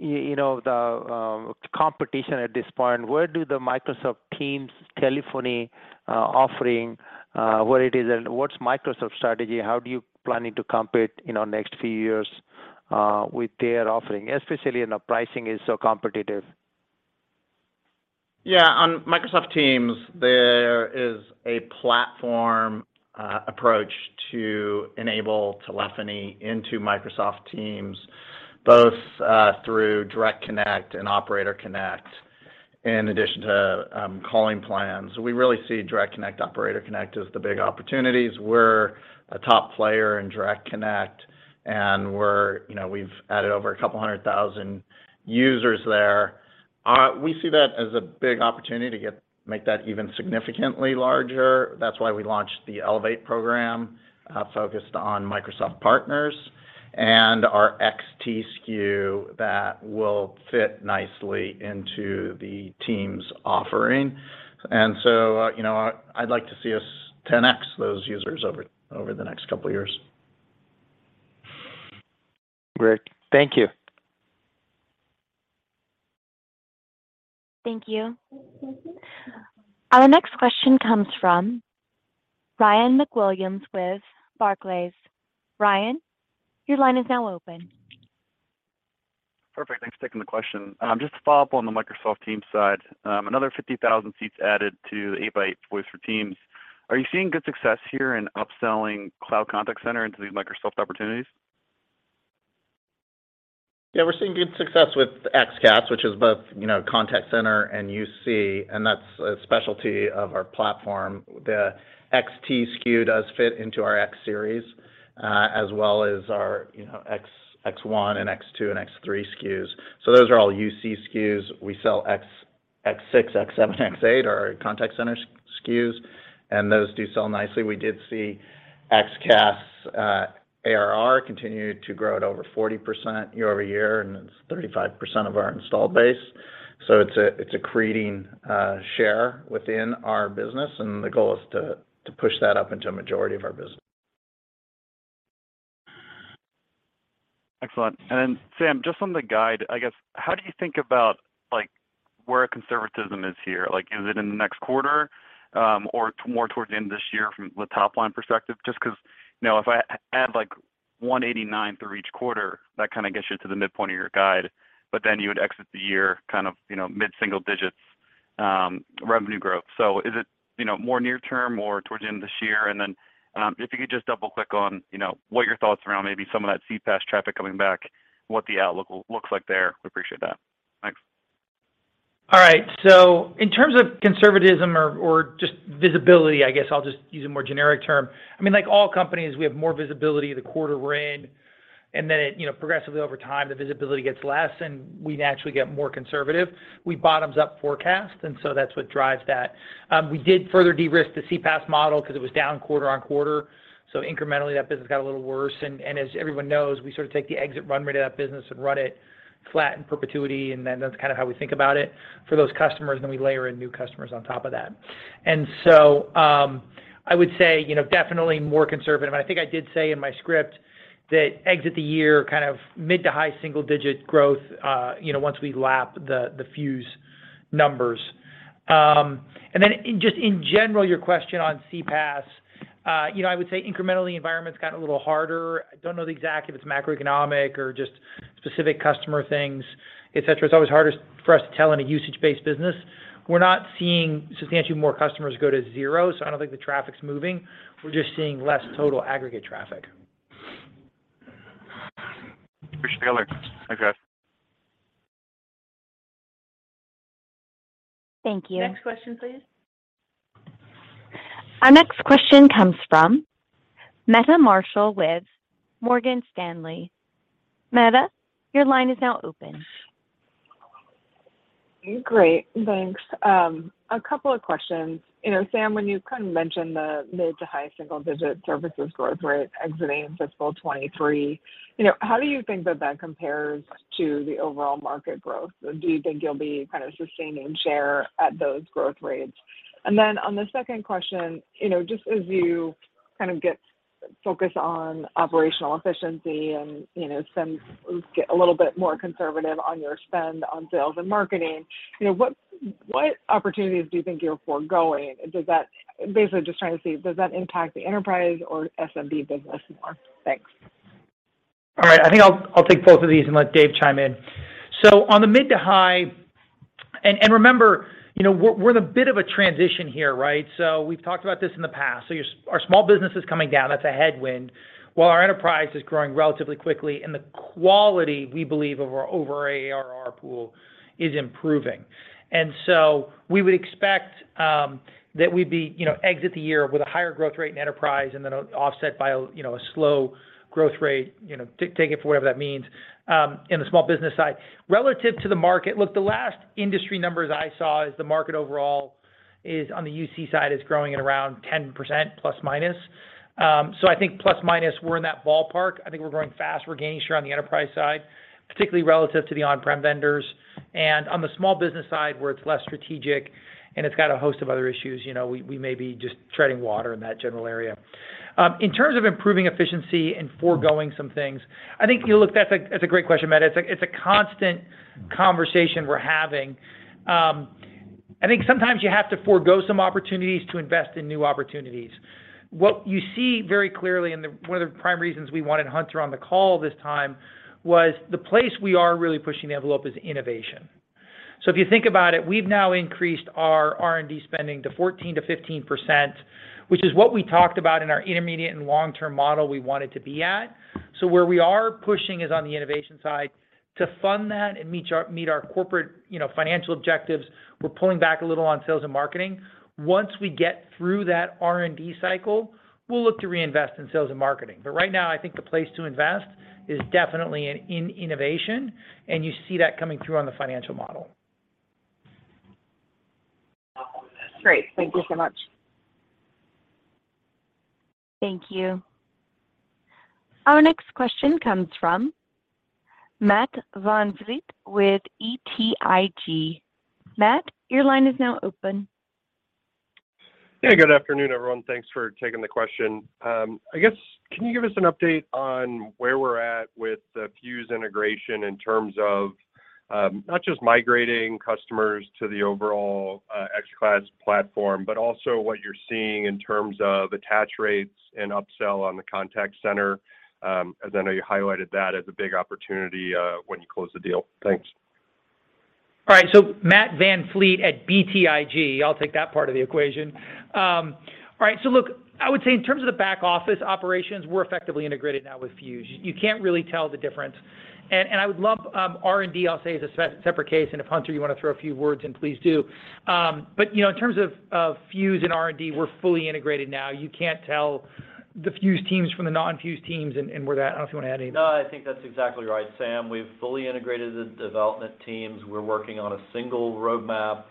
[SPEAKER 6] the competition at this point? Where is the Microsoft Teams telephony offering and what's Microsoft's strategy? How do you plan to compete in the next few years with their offering, especially since the pricing is so competitive?
[SPEAKER 5] Yeah. On Microsoft Teams, there is a platform approach to enable telephony into Microsoft Teams, both through Direct Connect and Operator Connect in addition to calling plans. We really see Direct Connect, Operator Connect as the big opportunities. We're a top player in Direct Connect, and we're, you know, we've added over 200,000 users there. We see that as a big opportunity to make that even significantly larger. That's why we launched 8x8 Elevate, focused on Microsoft partners and our 8x8 XT SKU that will fit nicely into the Teams offering. You know, I'd like to see us 10x those users over the next couple of years.
[SPEAKER 6] Great. Thank you.
[SPEAKER 1] Thank you. Our next question comes from Ryan MacWilliams with Barclays. Ryan, your line is now open.
[SPEAKER 7] Perfect. Thanks for taking the question. Just to follow up on the Microsoft Teams side, another 50,000 seats added to the 8x8 Voice for Microsoft Teams. Are you seeing good success here in upselling Cloud Contact Center into these Microsoft opportunities?
[SPEAKER 5] Yeah, we're seeing good success with XCaaS, which is both, you know, contact center and UC, and that's a specialty of our platform. The XT SKU does fit into our X Series, as well as our, you know, X1 and X2 and X3 SKUs. So those are all UC SKUs. We sell X6, X7, X8 are our contact center SKUs, and those do sell nicely. We did see XCaaS ARR continue to grow at over 40% year-over-year, and it's 35% of our installed base. So it's accreting share within our business, and the goal is to push that up into a majority of our business.
[SPEAKER 7] Excellent. Sam, just on the guide, I guess, how do you think about like, where conservatism is here? Like is it in the next quarter, or more towards the end of this year from the top line perspective? Just 'cause, you know, if I add like $189 through each quarter, that kinda gets you to the midpoint of your guide, but then you would exit the year kind of, you know, mid-single digits, revenue growth. Is it, you know, more near term or towards the end of this year? If you could just double-click on, you know, what your thoughts around maybe some of that CPaaS traffic coming back, what the outlook looks like there, we appreciate that. Thanks.
[SPEAKER 5] All right. In terms of conservatism or just visibility, I guess I'll just use a more generic term. I mean, like all companies, we have more visibility the quarter we're in, and then it, you know, progressively over time, the visibility gets less, and we naturally get more conservative. We bottoms-up forecast, and that's what drives that. We did further de-risk the CPaaS model 'cause it was down quarter-over-quarter, so incrementally that business got a little worse. As everyone knows, we sort of take the exit run rate of that business and run it flat in perpetuity, and then that's kinda how we think about it for those customers, then we layer in new customers on top of that. I would say, you know, definitely more conservative. I think I did say in my script that exit the year kind of mid- to high-single-digit growth, you know, once we lap the Fuze numbers. I just in general, your question on CPaaS, you know, I would say incrementally, environment's got a little harder. I don't know the exact if it's macroeconomic or just specific customer things, et cetera. It's always harder for us to tell in a usage-based business. We're not seeing substantially more customers go to zero, so I don't think the traffic's moving. We're just seeing less total aggregate traffic.
[SPEAKER 7] Appreciate the color. Thanks, guys.
[SPEAKER 1] Thank you.
[SPEAKER 2] Next question, please.
[SPEAKER 1] Our next question comes from Meta Marshall with Morgan Stanley. Meta, your line is now open.
[SPEAKER 8] Great. Thanks. A couple of questions. You know, Sam, when you kind of mentioned the mid- to high-single-digit services growth rate exiting fiscal 2023, you know, how do you think that compares to the overall market growth? Do you think you'll be kind of sustaining share at those growth rates? On the second question, you know, just as you kind of get focus on operational efficiency and, you know, you get a little bit more conservative on your spend on sales and marketing, you know, what opportunities do you think you're foregoing? Basically, just trying to see, does that impact the enterprise or SMB business more? Thanks.
[SPEAKER 5] All right. I think I'll take both of these and let Dave chime in. And remember, you know, we're in a bit of a transition here, right? We've talked about this in the past. Our small business is coming down, that's a headwind, while our enterprise is growing relatively quickly, and the quality, we believe, of our overall ARR pool is improving. We would expect that we'd exit the year with a higher growth rate in enterprise and then offset by a slow growth rate, you know, take it for whatever that means, in the small business side. Relative to the market, look, the last industry numbers I saw, the market overall on the UC side is growing at around 10% plus minus. I think plus minus, we're in that ballpark. I think we're growing fast. We're gaining share on the enterprise side, particularly relative to the on-prem vendors. On the small business side, where it's less strategic and it's got a host of other issues, you know, we may be just treading water in that general area. In terms of improving efficiency and foregoing some things, I think. Look, that's a great question, Meta. It's a constant conversation we're having. I think sometimes you have to forgo some opportunities to invest in new opportunities. What you see very clearly, one of the prime reasons we wanted Hunter on the call this time was, the place we are really pushing the envelope is innovation. If you think about it, we've now increased our R&D spending to 14%-15%, which is what we talked about in our intermediate and long-term model we wanted to be at. Where we are pushing is on the innovation side. To fund that and meet our corporate, you know, financial objectives, we're pulling back a little on sales and marketing. Once we get through that R&D cycle, we'll look to reinvest in sales and marketing. Right now, I think the place to invest is definitely in innovation, and you see that coming through on the financial model.
[SPEAKER 8] Great. Thank you so much.
[SPEAKER 1] Thank you. Our next question comes from Matt VanVliet with BTIG. Matt, your line is now open.
[SPEAKER 9] Yeah. Good afternoon, everyone. Thanks for taking the question. I guess can you give us an update on where we're at with the Fuze integration in terms of, not just migrating customers to the overall X Series platform, but also what you're seeing in terms of attach rates and upsell on the contact center, as I know you highlighted that as a big opportunity, when you close the deal. Thanks.
[SPEAKER 5] All right. Matt VanVliet at BTIG, I'll take that part of your question. All right, look, I would say in terms of the back office operations, we're effectively integrated now with Fuze. You can't really tell the difference. I would lump R&D, I'll say, as a separate case. If, Hunter, you wanna throw a few words in, please do. You know, in terms of Fuze and R&D, we're fully integrated now. You can't tell the Fuze teams from the non-Fuze teams and we're that. I don't know if you wanna add anything.
[SPEAKER 4] No, I think that's exactly right, Sam. We've fully integrated the development teams. We're working on a single roadmap.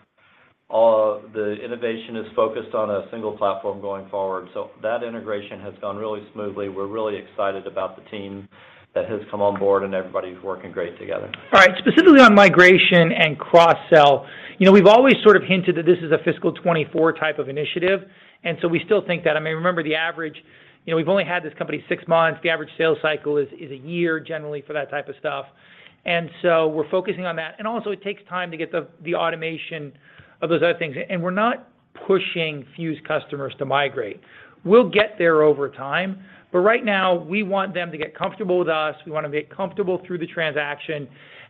[SPEAKER 4] The innovation is focused on a single platform going forward. That integration has gone really smoothly. We're really excited about the team that has come on board, and everybody's working great together.
[SPEAKER 5] All right. Specifically on migration and cross-sell, you know, we've always sort of hinted that this is a fiscal 2024 type of initiative, and so we still think that. I mean, remember the average, you know, we've only had this company six months. The average sales cycle is a year generally for that type of stuff. We're focusing on that. Also it takes time to get the automation of those other things. We're not pushing Fuze customers to migrate. We'll get there over time, but right now we want them to get comfortable with us. We wanna get comfortable through the transaction.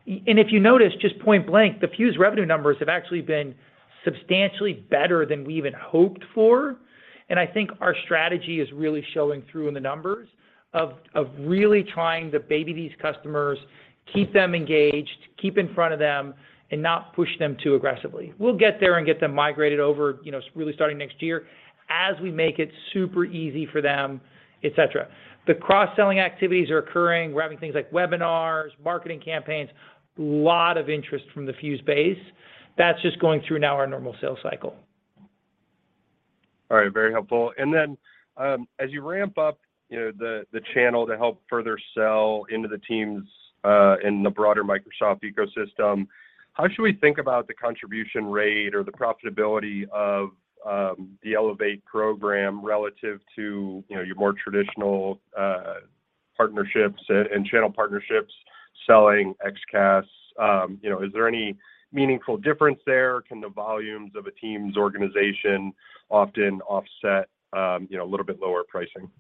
[SPEAKER 5] And if you notice, just point blank, the Fuze revenue numbers have actually been substantially better than we even hoped for. I think our strategy is really showing through in the numbers of really trying to baby these customers, keep them engaged, keep in front of them, and not push them too aggressively. We'll get there and get them migrated over, you know, really starting next year as we make it super easy for them, et cetera. The cross-selling activities are occurring. We're having things like webinars, marketing campaigns, lot of interest from the Fuze base. That's just going through now our normal sales cycle.
[SPEAKER 9] All right. Very helpful. As you ramp up, you know, the channel to help further sell into the Teams in the broader Microsoft ecosystem, how should we think about the contribution rate or the profitability of the Elevate program relative to, you know, your more traditional partnerships and channel partnerships selling XCaaS? You know, is there any meaningful difference there? Can the volumes of a Teams organization often offset, you know, a little bit lower pricing?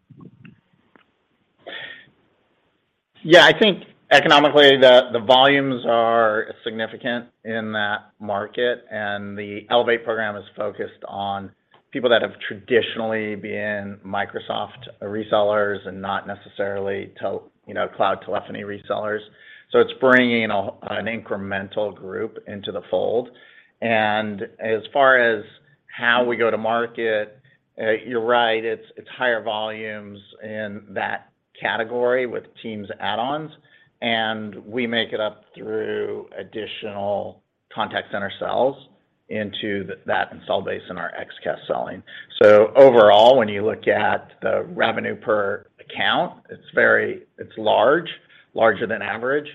[SPEAKER 3] Yeah. I think economically the volumes are significant in that market, and the Elevate program is focused on people that have traditionally been Microsoft resellers and not necessarily you know, cloud telephony resellers. It's bringing an incremental group into the fold. As far as how we go to market, you're right, it's higher volumes in that category with Teams add-ons, and we make it up through additional contact center sells into that install base in our XCaaS selling. Overall, when you look at the revenue per account, it's very large, larger than average,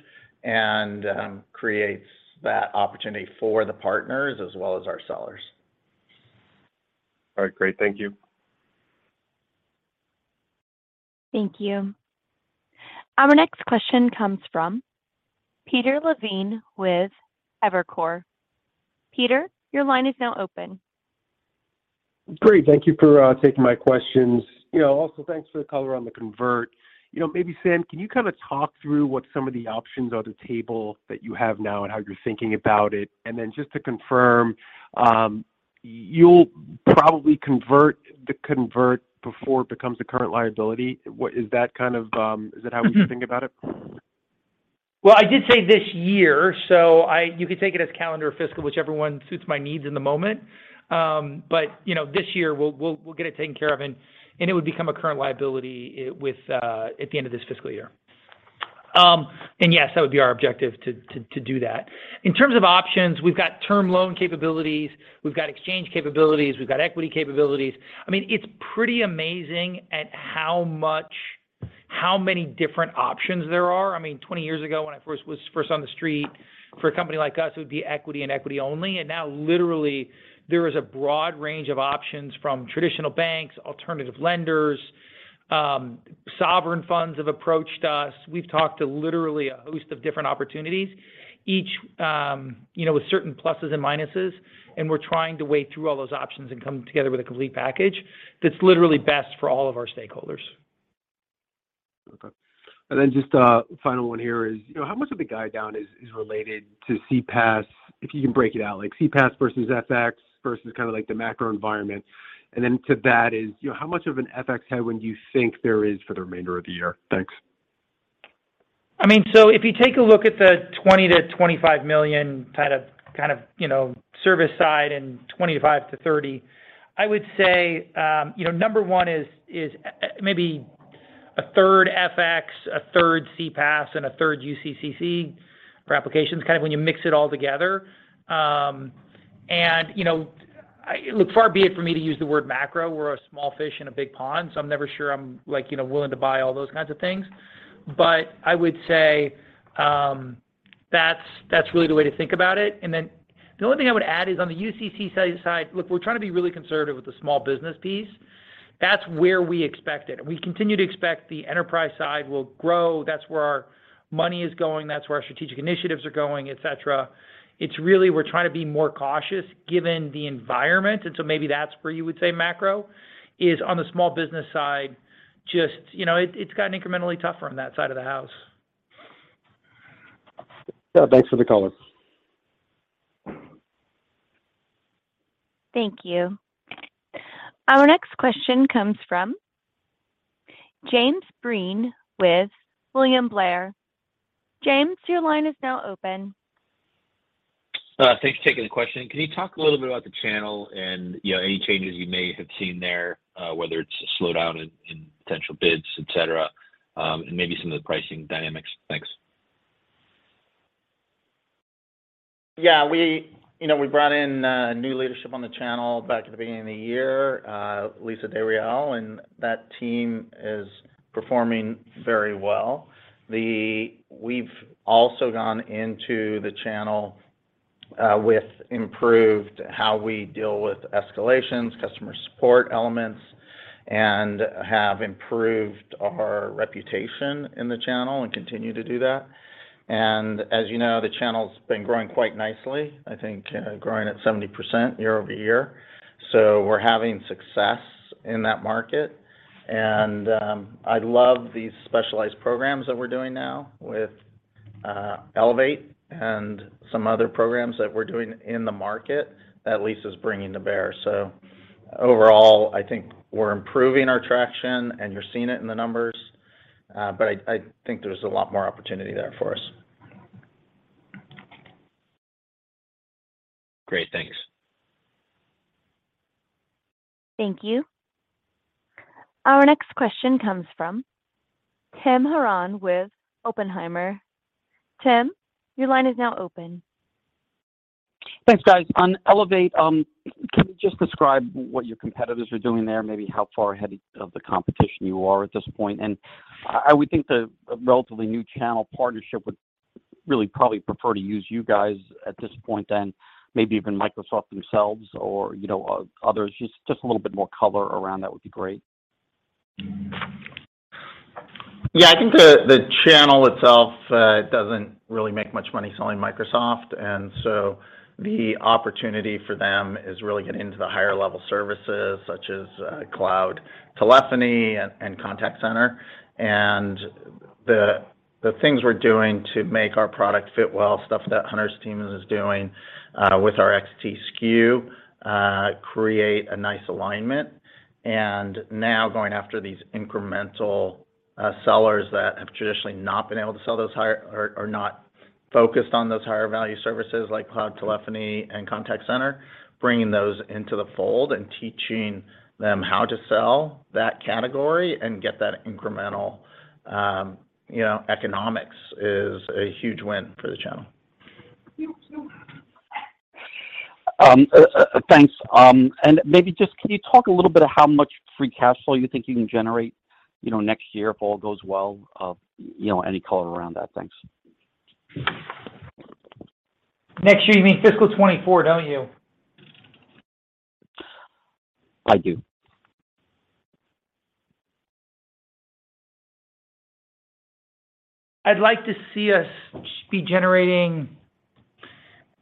[SPEAKER 3] and creates that opportunity for the partners as well as our sellers.
[SPEAKER 9] All right. Great. Thank you.
[SPEAKER 1] Thank you. Our next question comes from Peter Levine with Evercore. Peter, your line is now open.
[SPEAKER 10] Great. Thank you for taking my questions. You know, also thanks for the color on the convert. You know, maybe Sam, can you kind of talk through what some of the options on the table that you have now and how you're thinking about it? Then just to confirm, you'll probably convert, the convert before it becomes a current liability. What is that kind of, is that how we should think about it?
[SPEAKER 5] Well, I did say this year, so you could take it as calendar or fiscal, whichever one suits my needs in the moment. But you know, this year, we'll get it taken care of and it would become a current liability with at the end of this fiscal year. Yes, that would be our objective to do that. In terms of options, we've got term loan capabilities. We've got exchange capabilities. We've got equity capabilities. I mean, it's pretty amazing at how many different options there are. I mean, 20 years ago when I first was on the street, for a company like us, it would be equity and equity only. Now literally there is a broad range of options from traditional banks, alternative lenders, sovereign funds have approached us. We've talked to literally a host of different opportunities, each, you know, with certain pluses and minuses, and we're trying to weigh through all those options and come together with a complete package that's literally best for all of our stakeholders.
[SPEAKER 10] Okay. Just a final one here is, you know, how much of the guide down is related to CPaaS, if you can break it out, like CPaaS versus FX versus kind of like the macro environment. To that is, you know, how much of an FX headwind do you think there is for the remainder of the year? Thanks.
[SPEAKER 5] I mean, if you take a look at the $20-25 million kind of service side and $25-30, I would say number one is maybe a third FX, a third CPaaS, and a third UC/CC for applications, kind of when you mix it all together. Look, far be it for me to use the word macro. We're a small fish in a big pond, so I'm never sure I'm like you know willing to buy all those kinds of things. I would say that's really the way to think about it. Then the only thing I would add is on the UC/CC side, look, we're trying to be really conservative with the small business piece. That's where we expect it. We continue to expect the enterprise side will grow. That's where our money is going. That's where our strategic initiatives are going, et cetera. It's really we're trying to be more cautious given the environment. Maybe that's where you would say macro is on the small business side, just, you know, it's gotten incrementally tougher on that side of the house.
[SPEAKER 10] Yeah, thanks for the color.
[SPEAKER 1] Thank you. Our next question comes from James Breen with William Blair. James, your line is now open.
[SPEAKER 11] Thanks for taking the question. Can you talk a little bit about the channel and, you know, any changes you may have seen there, whether it's a slowdown in potential bids, et cetera, and maybe some of the pricing dynamics? Thanks.
[SPEAKER 3] Yeah. We, you know, brought in new leadership on the channel back at the beginning of the year, Lisa Martin, and that team is performing very well. We've also gone into the channel with improved how we deal with escalations, customer support elements, and have improved our reputation in the channel and continue to do that. As you know, the channel's been growing quite nicely, I think, growing at 70% year-over-year. We're having success in that market. I love these specialized programs that we're doing now with Elevate and some other programs that we're doing in the market that Lisa's bringing to bear. Overall, I think we're improving our traction, and you're seeing it in the numbers. But I think there's a lot more opportunity there for us.
[SPEAKER 11] Great. Thanks.
[SPEAKER 1] Thank you. Our next question comes from Tim Horan with Oppenheimer. Tim, your line is now open.
[SPEAKER 12] Thanks, guys. On Elevate, can you just describe what your competitors are doing there, maybe how far ahead of the competition you are at this point? I would think the relatively new channel partnership would really probably prefer to use you guys at this point than maybe even Microsoft themselves or, you know, others. Just a little bit more color around that would be great.
[SPEAKER 5] Yeah. I think the channel itself doesn't really make much money selling Microsoft, and so the opportunity for them is really getting into the higher level services such as cloud telephony and contact center. The things we're doing to make our product fit well, stuff that Hunter's team is doing with our XT SKU, create a nice alignment. Now going after these incremental sellers that have traditionally not been able to sell those higher or not focused on those higher value services like cloud telephony and contact center, bringing those into the fold and teaching them how to sell that category and get that incremental you know economics is a huge win for the channel.
[SPEAKER 12] Thanks. Maybe just can you talk a little bit of how much free cash flow you think you can generate, you know, next year if all goes well? You know, any color around that. Thanks.
[SPEAKER 5] Next year, you mean fiscal 2024, don't you?
[SPEAKER 12] I do.
[SPEAKER 5] I'd like to see us be generating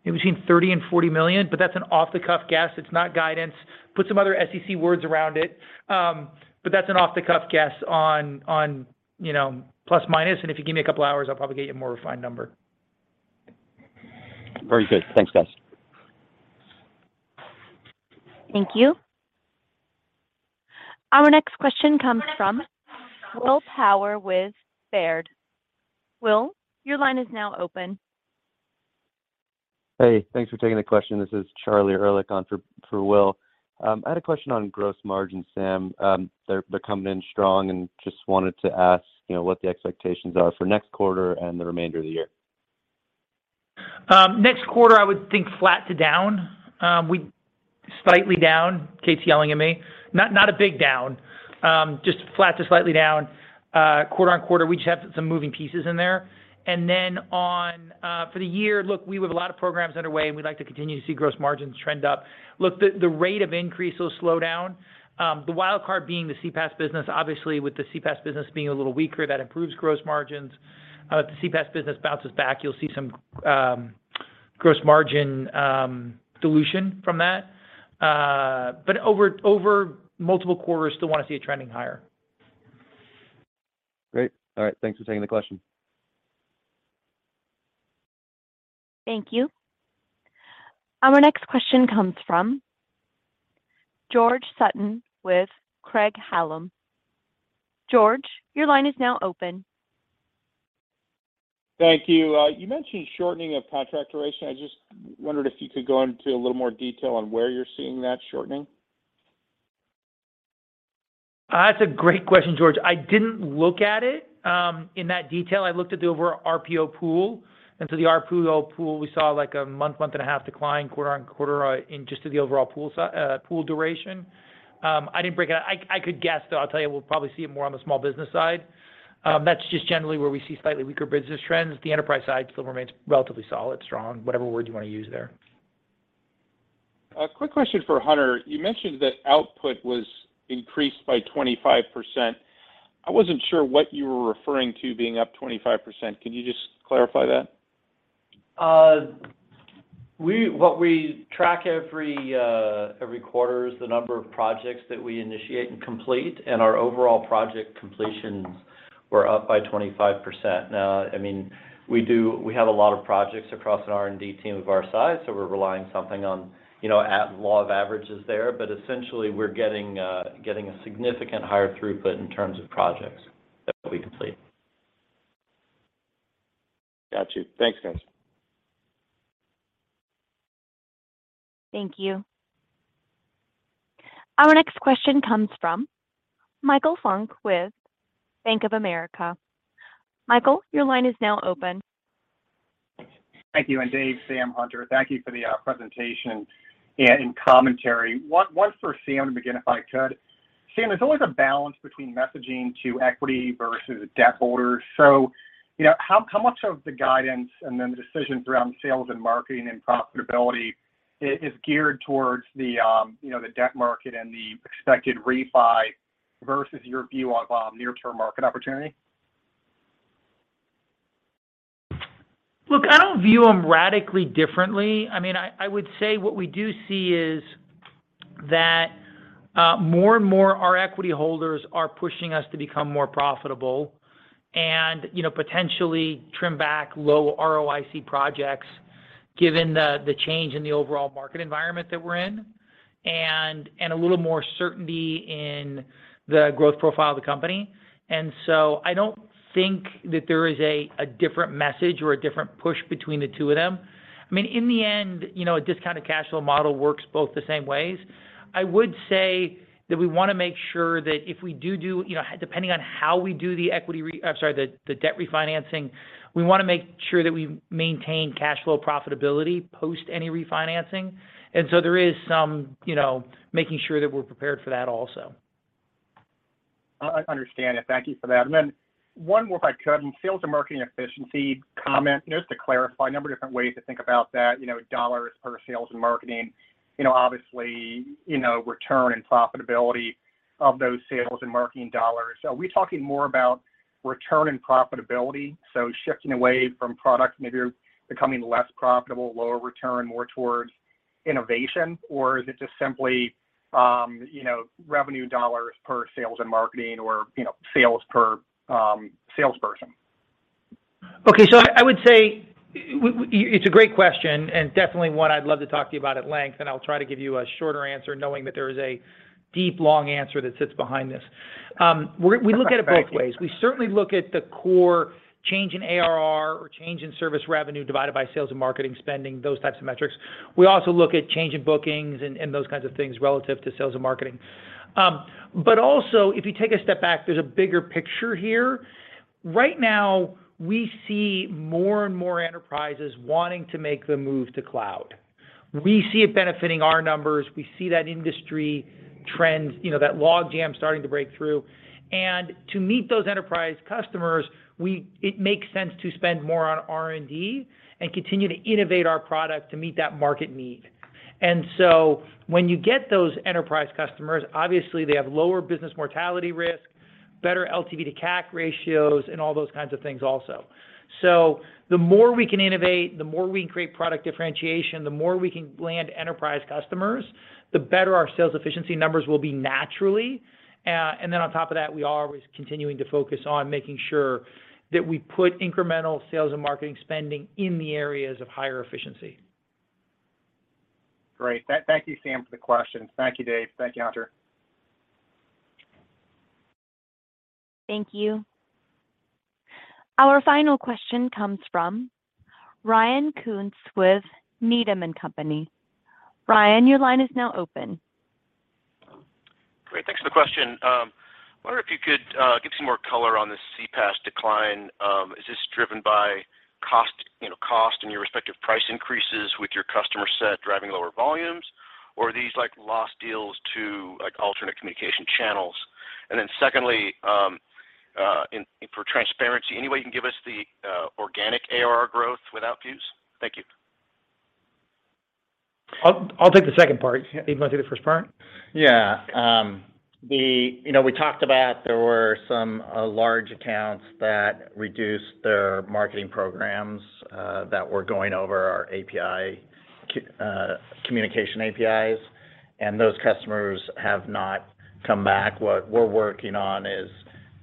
[SPEAKER 5] between $30 million and $40 million, but that's an off-the-cuff guess. It's not guidance. Put some other SEC words around it. But that's an off-the-cuff guess on, you know, plus minus. If you give me a couple of hours, I'll probably get you a more refined number.
[SPEAKER 12] Very good. Thanks, guys.
[SPEAKER 1] Thank you. Our next question comes from William Power with Baird. Will, your line is now open.
[SPEAKER 13] Hey, thanks for taking the question. This is Charlie Erlikh on for Will. I had a question on gross margin, Sam. They're coming in strong and just wanted to ask, you know, what the expectations are for next quarter and the remainder of the year.
[SPEAKER 5] Next quarter, I would think flat to down. Slightly down. Kate's yelling at me. Not a big down, just flat to slightly down, quarter-over-quarter. We just have some moving pieces in there. Then on for the year, look, we have a lot of programs underway, and we'd like to continue to see gross margins trend up. Look, the rate of increase will slow down. The wild card being the CPaaS business. Obviously, with the CPaaS business being a little weaker, that improves gross margins. The CPaaS business bounces back, you'll see some gross margin dilution from that. Over multiple quarters, still wanna see it trending higher.
[SPEAKER 13] Great. All right. Thanks for taking the question.
[SPEAKER 1] Thank you. Our next question comes from George Sutton with Craig-Hallum. George, your line is now open.
[SPEAKER 14] Thank you. You mentioned shortening of contract duration. I just wondered if you could go into a little more detail on where you're seeing that shortening.
[SPEAKER 5] That's a great question, George. I didn't look at it in that detail. I looked at the overall RPO pool. The RPO pool, we saw like a month and a half decline quarter-over-quarter in just the overall pool duration. I didn't break it down. I could guess, though I'll tell you we'll probably see it more on the small business side. That's just generally where we see slightly weaker business trends. The enterprise side still remains relatively solid, strong, whatever word you wanna use there.
[SPEAKER 14] A quick question for Hunter. You mentioned that output was increased by 25%. I wasn't sure what you were referring to being up 25%. Can you just clarify that?
[SPEAKER 4] What we track every quarter is the number of projects that we initiate and complete, and our overall project completions were up by 25%. Now, I mean, we have a lot of projects across an R&D team of our size, so we're relying somewhat on, you know, the law of averages there. Essentially, we're getting significantly higher throughput in terms of projects that we complete.
[SPEAKER 14] Got you. Thanks, guys.
[SPEAKER 1] Thank you. Our next question comes from Michael Funk with Bank of America. Michael, your line is now open.
[SPEAKER 15] Thank you. Dave, Sam, Hunter, thank you for the presentation and commentary. One for Sam to begin, if I could. Sam, there's always a balance between messaging to equity versus debt holders. You know, how much of the guidance and then the decisions around sales and marketing and profitability is geared towards the debt market and the expected refi versus your view on near-term market opportunity?
[SPEAKER 5] Look, I don't view them radically differently. I mean, I would say what we do see is that more and more our equity holders are pushing us to become more profitable and, you know, potentially trim back low ROIC projects given that the change in the overall market environment that we're in and a little more certainty in the growth profile of the company. I don't think that there is a different message or a different push between the two of them. I mean, in the end, you know, a discounted cash flow model works both the same ways. I would say that we wanna make sure that if we do, you know, depending on how we do the debt refinancing, we wanna make sure that we maintain cash flow profitability post any refinancing. There is some, you know, making sure that we're prepared for that also.
[SPEAKER 15] I understand it. Thank you for that. One more if I could. In sales and marketing efficiency comment, just to clarify, a number of different ways to think about that, you know, dollars per sales and marketing. You know, obviously, you know, return and profitability of those sales and marketing dollars. Are we talking more about return and profitability, so shifting away from products maybe are becoming less profitable, lower return, more towards innovation? Or is it just simply, you know, revenue dollars per sales and marketing or, you know, sales per, salesperson?
[SPEAKER 5] I would say it's a great question and definitely one I'd love to talk to you about at length, and I'll try to give you a shorter answer knowing that there is a deep, long answer that sits behind this. We look at it both ways. We certainly look at the core change in ARR or change in service revenue divided by sales and marketing spending, those types of metrics. We also look at change in bookings and those kinds of things relative to sales and marketing. Also if you take a step back, there's a bigger picture here. Right now, we see more and more enterprises wanting to make the move to cloud. We see it benefiting our numbers. We see that industry trend, you know, that log jam starting to break through. To meet those enterprise customers, it makes sense to spend more on R&D and continue to innovate our product to meet that market need. When you get those enterprise customers, obviously they have lower business mortality risk, better LTV to CAC ratios, and all those kinds of things also. The more we can innovate, the more we can create product differentiation, the more we can land enterprise customers, the better our sales efficiency numbers will be naturally. On top of that, we are always continuing to focus on making sure that we put incremental sales and marketing spending in the areas of higher efficiency.
[SPEAKER 15] Great. Thank you, Sam, for the questions. Thank you, Dave. Thank you, Hunter.
[SPEAKER 1] Thank you. Our final question comes from Ryan Koontz with Needham & Company. Ryan, your line is now open.
[SPEAKER 16] Great. Thanks for the question. Wonder if you could give some more color on the CPaaS decline. Is this driven by cost, you know, and your respective price increases with your customer set driving lower volumes? Or are these like lost deals to, like, alternate communication channels? Secondly, for transparency, any way you can give us the organic ARR growth without Fuze? Thank you.
[SPEAKER 5] I'll take the second part. You wanna do the first part?
[SPEAKER 3] Yeah. You know, we talked about there were some large accounts that reduced their marketing programs that were going over our communication APIs, and those customers have not come back. What we're working on is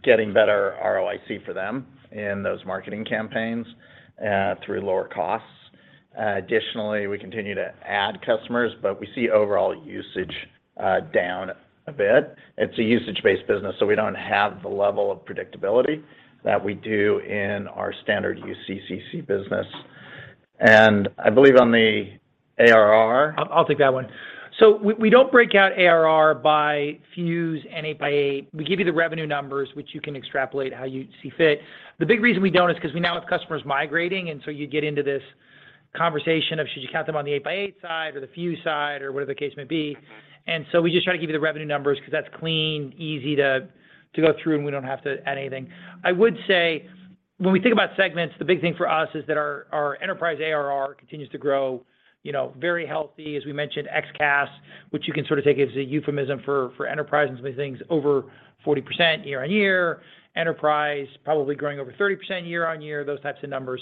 [SPEAKER 3] getting better ROIC for them in those marketing campaigns through lower costs. Additionally, we continue to add customers, but we see overall usage down a bit. It's a usage-based business, so we don't have the level of predictability that we do in our standard UC/CC business. I believe on the ARR-
[SPEAKER 5] I'll take that one. We don't break out ARR by Fuze in 8×8. We give you the revenue numbers, which you can extrapolate how you see fit. The big reason we don't is 'cause we now have customers migrating, and so you get into this conversation of should you count them on the 8×8 side or the Fuze side or whatever the case may be.
[SPEAKER 16] Mm-hmm.
[SPEAKER 5] We just try to give you the revenue numbers 'cause that's clean, easy to go through, and we don't have to add anything. I would say when we think about segments, the big thing for us is that our enterprise ARR continues to grow, you know, very healthy. As we mentioned, XCaaS, which you can sort of take as a euphemism for enterprise and some of the things over 40% year-over-year. Enterprise probably growing over 30% year-over-year, those types of numbers.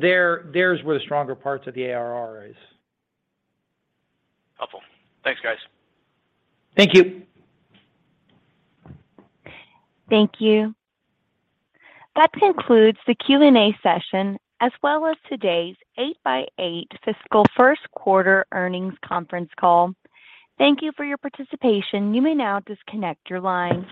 [SPEAKER 5] There's where the stronger parts of the ARR is.
[SPEAKER 16] Helpful. Thanks, guys.
[SPEAKER 5] Thank you.
[SPEAKER 1] Thank you. That concludes the Q&A session, as well as today's 8x8 fiscal first quarter earnings conference call. Thank you for your participation. You may now disconnect your lines.